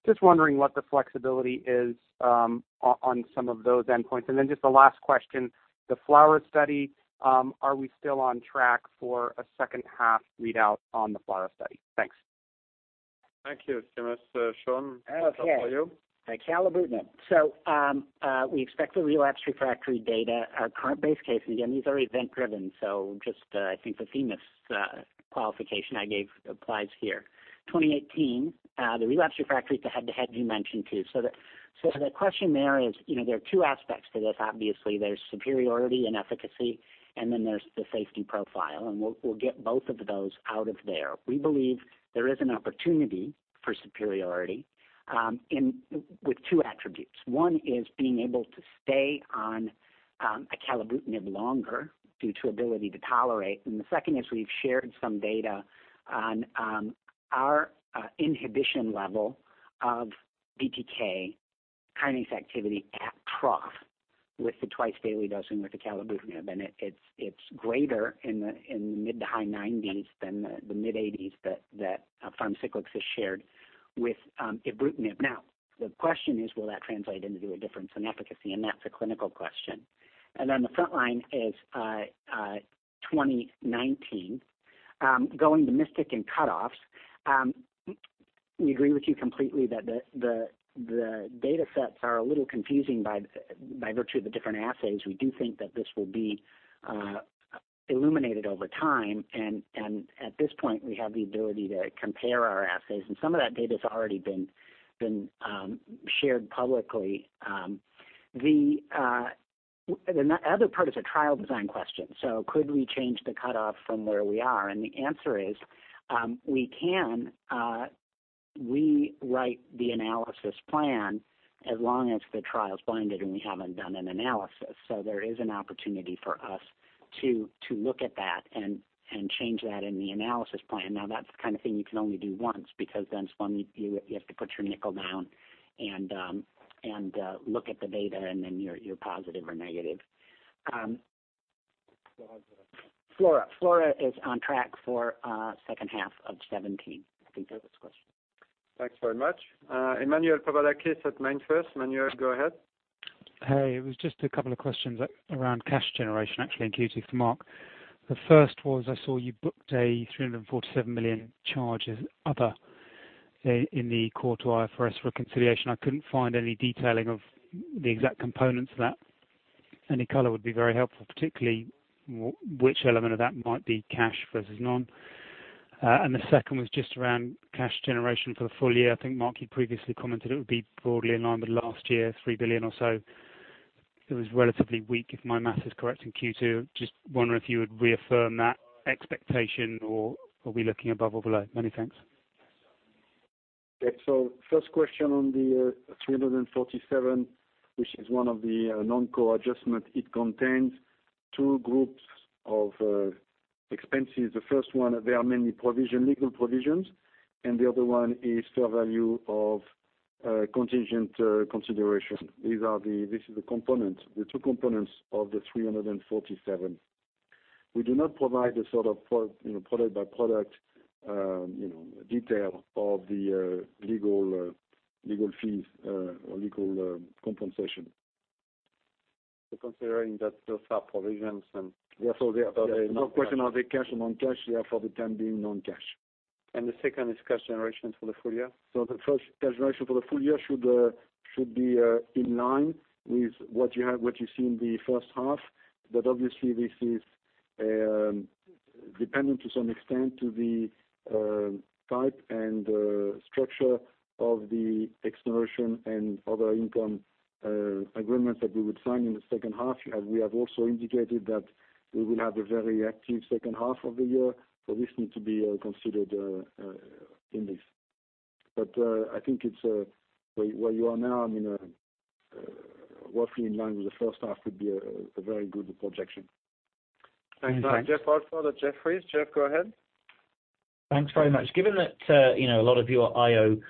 Just wondering what the flexibility is on some of those endpoints. Just the last question, the FLAURA study, are we still on track for a second half readout on the FLAURA study? Thanks. Thank you, Seamus. Sean, over to you. Okay. Acalabrutinib. We expect the relapse/refractory data. Our current base case, again, these are event-driven, so just, I think the THEMIS qualification I gave applies here. 2018, the relapse/refractory is the head-to-head you mentioned too. The question there is, there are two aspects to this, obviously. There's superiority and efficacy, and then there's the safety profile, and we'll get both of those out of there. We believe there is an opportunity for superiority, with two attributes. One is being able to stay on acalabrutinib longer due to ability to tolerate. The second is we've shared some data on our inhibition level of BTK kinase activity at trough with the twice-daily dosing with acalabrutinib. It's greater in the mid to high 90s than the mid-80s that Pharmacyclics has shared with ibrutinib. The question is, will that translate into a difference in efficacy? That's a clinical question. The frontline is 2019. Going to MYSTIC and cutoffs, we agree with you completely that the datasets are a little confusing by virtue of the different assays. We do think that this will be illuminated over time, and at this point, we have the ability to compare our assays. Some of that data's already been shared publicly. The other part is a trial design question. Could we change the cutoff from where we are? The answer is, we can rewrite the analysis plan as long as the trial is blinded, and we haven't done an analysis. There is an opportunity for us to look at that and change that in the analysis plan. That's the kind of thing you can only do once, because then you have to put your nickel down and look at the data, and then you're positive or negative. Still have the- FLAURA. FLAURA is on track for second half of 2017. I think that was the question. Thanks very much. Emmanuel Papadakis at MainFirst Bank. Emmanuel, go ahead. Hey, it was just a couple of questions around cash generation, actually, in Q2 for Marc. The first was, I saw you booked a $347 million charge as other in the quarter IFRS reconciliation. I couldn't find any detailing of the exact components of that. Any color would be very helpful, particularly which element of that might be cash versus non. The second was just around cash generation for the full year. I think, Marc, you previously commented it would be broadly in line with last year, $3 billion or so. It was relatively weak, if my math is correct in Q2. Just wondering if you would reaffirm that expectation, or are we looking above, or below? Many thanks. Okay, first question on the $347, which is one of the non-core adjustments. It contains two groups of expenses. The first one, they are mainly legal provisions, the other one is fair value of contingent consideration. This is the two components of the $347. We do not provide the sort of product by product detail of the legal fees or legal compensation. Considering that those are provisions and- Yeah, they are. No question, are they cash or non-cash? They are for the time being non-cash. The second is cash generation for the full year? The cash generation for the full year should be in line with what you see in the first half. Obviously, this is dependent to some extent to the type and structure of the exploration and other income agreements that we would sign in the second half. We have also indicated that we will have a very active second half of the year. This needs to be considered in this. I think where you are now, roughly in line with the first half would be a very good projection. Thanks, Marc. Next, Jeff Harte from Jefferies. Jeff, go ahead. Thanks very much. Given that a lot of your IO focus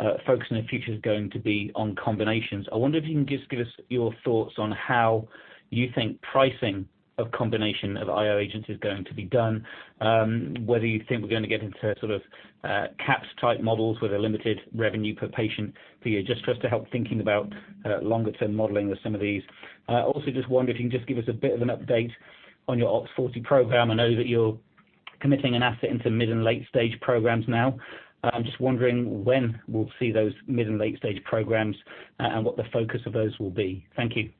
in the future is going to be on combinations, I wonder if you can just give us your thoughts on how you think pricing of combination of IO agents is going to be done. Whether you think we're going to get into sort of caps type models with a limited revenue per patient per year, just for us to help thinking about longer-term modeling of some of these. Also just wonder if you can just give us a bit of an update on your OX40 program. I know that you're committing an asset into mid- and late-stage programs now. I'm just wondering when we'll see those mid- and late-stage programs, and what the focus of those will be. Thank you.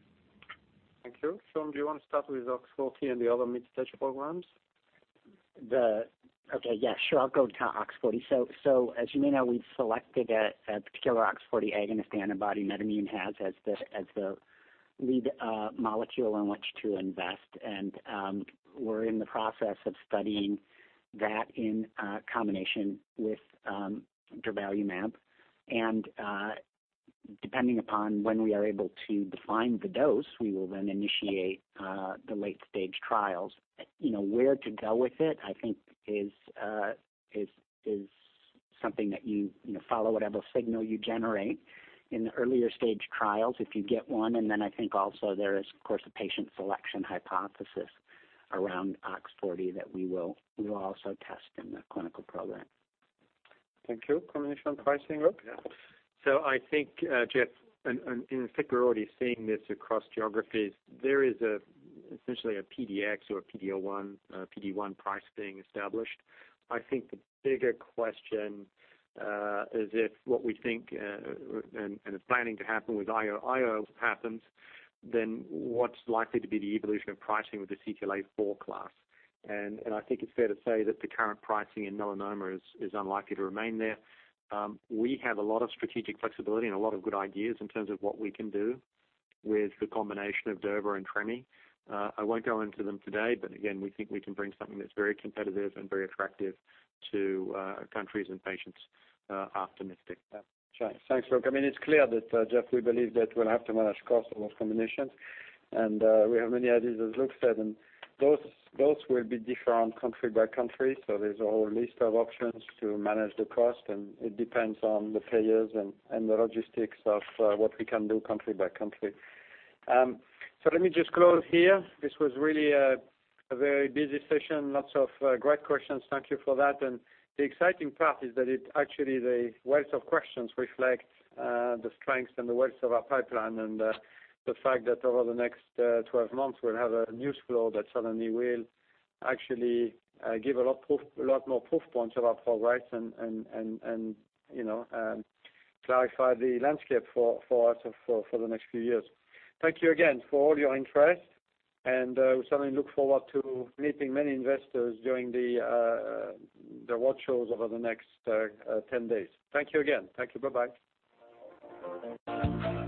Thank you. Sean, do you want to start with OX40 and the other mid-stage programs? Okay. Yeah, sure. I'll go to OX40. As you may know, we've selected a particular OX40 agonist antibody MedImmune has as the lead molecule in which to invest. We're in the process of studying that in combination with durvalumab. Depending upon when we are able to define the dose, we will then initiate the late-stage trials. Where to go with it, I think is something that you follow whatever signal you generate in the earlier stage trials, if you get one. Then I think also there is, of course, a patient selection hypothesis around OX40 that we will also test in the clinical program. Thank you. Comment on pricing, Luke? Yeah. I think, Jeff, and in fact, we're already seeing this across geographies, there is essentially a PD-L1 or a PD-1 price being established. I think the bigger question is if what we think and are planning to happen with IO, happens, then what's likely to be the evolution of pricing with the CTLA-4 class? I think it's fair to say that the current pricing in melanoma is unlikely to remain there. We have a lot of strategic flexibility and a lot of good ideas in terms of what we can do with the combination of durva and tremy. I won't go into them today, but again, we think we can bring something that's very competitive and very attractive to countries and patients after MYSTIC. Yeah. Sure. Thanks, Luke. It's clear that, Jeff, we believe that we'll have to manage costs on those combinations. We have many ideas, as Luke said, and those will be different country by country. There's a whole list of options to manage the cost, and it depends on the payers and the logistics of what we can do country by country. Let me just close here. This was really a very busy session. Lots of great questions. Thank you for that. The exciting part is that it actually, the wealth of questions reflect the strengths and the wealth of our pipeline, and the fact that over the next 12 months, we'll have a news flow that suddenly will actually give a lot more proof points about progress and clarify the landscape for us for the next few years. Thank you again for all your interest. We certainly look forward to meeting many investors during the road shows over the next 10 days. Thank you again. Thank you. Bye-bye.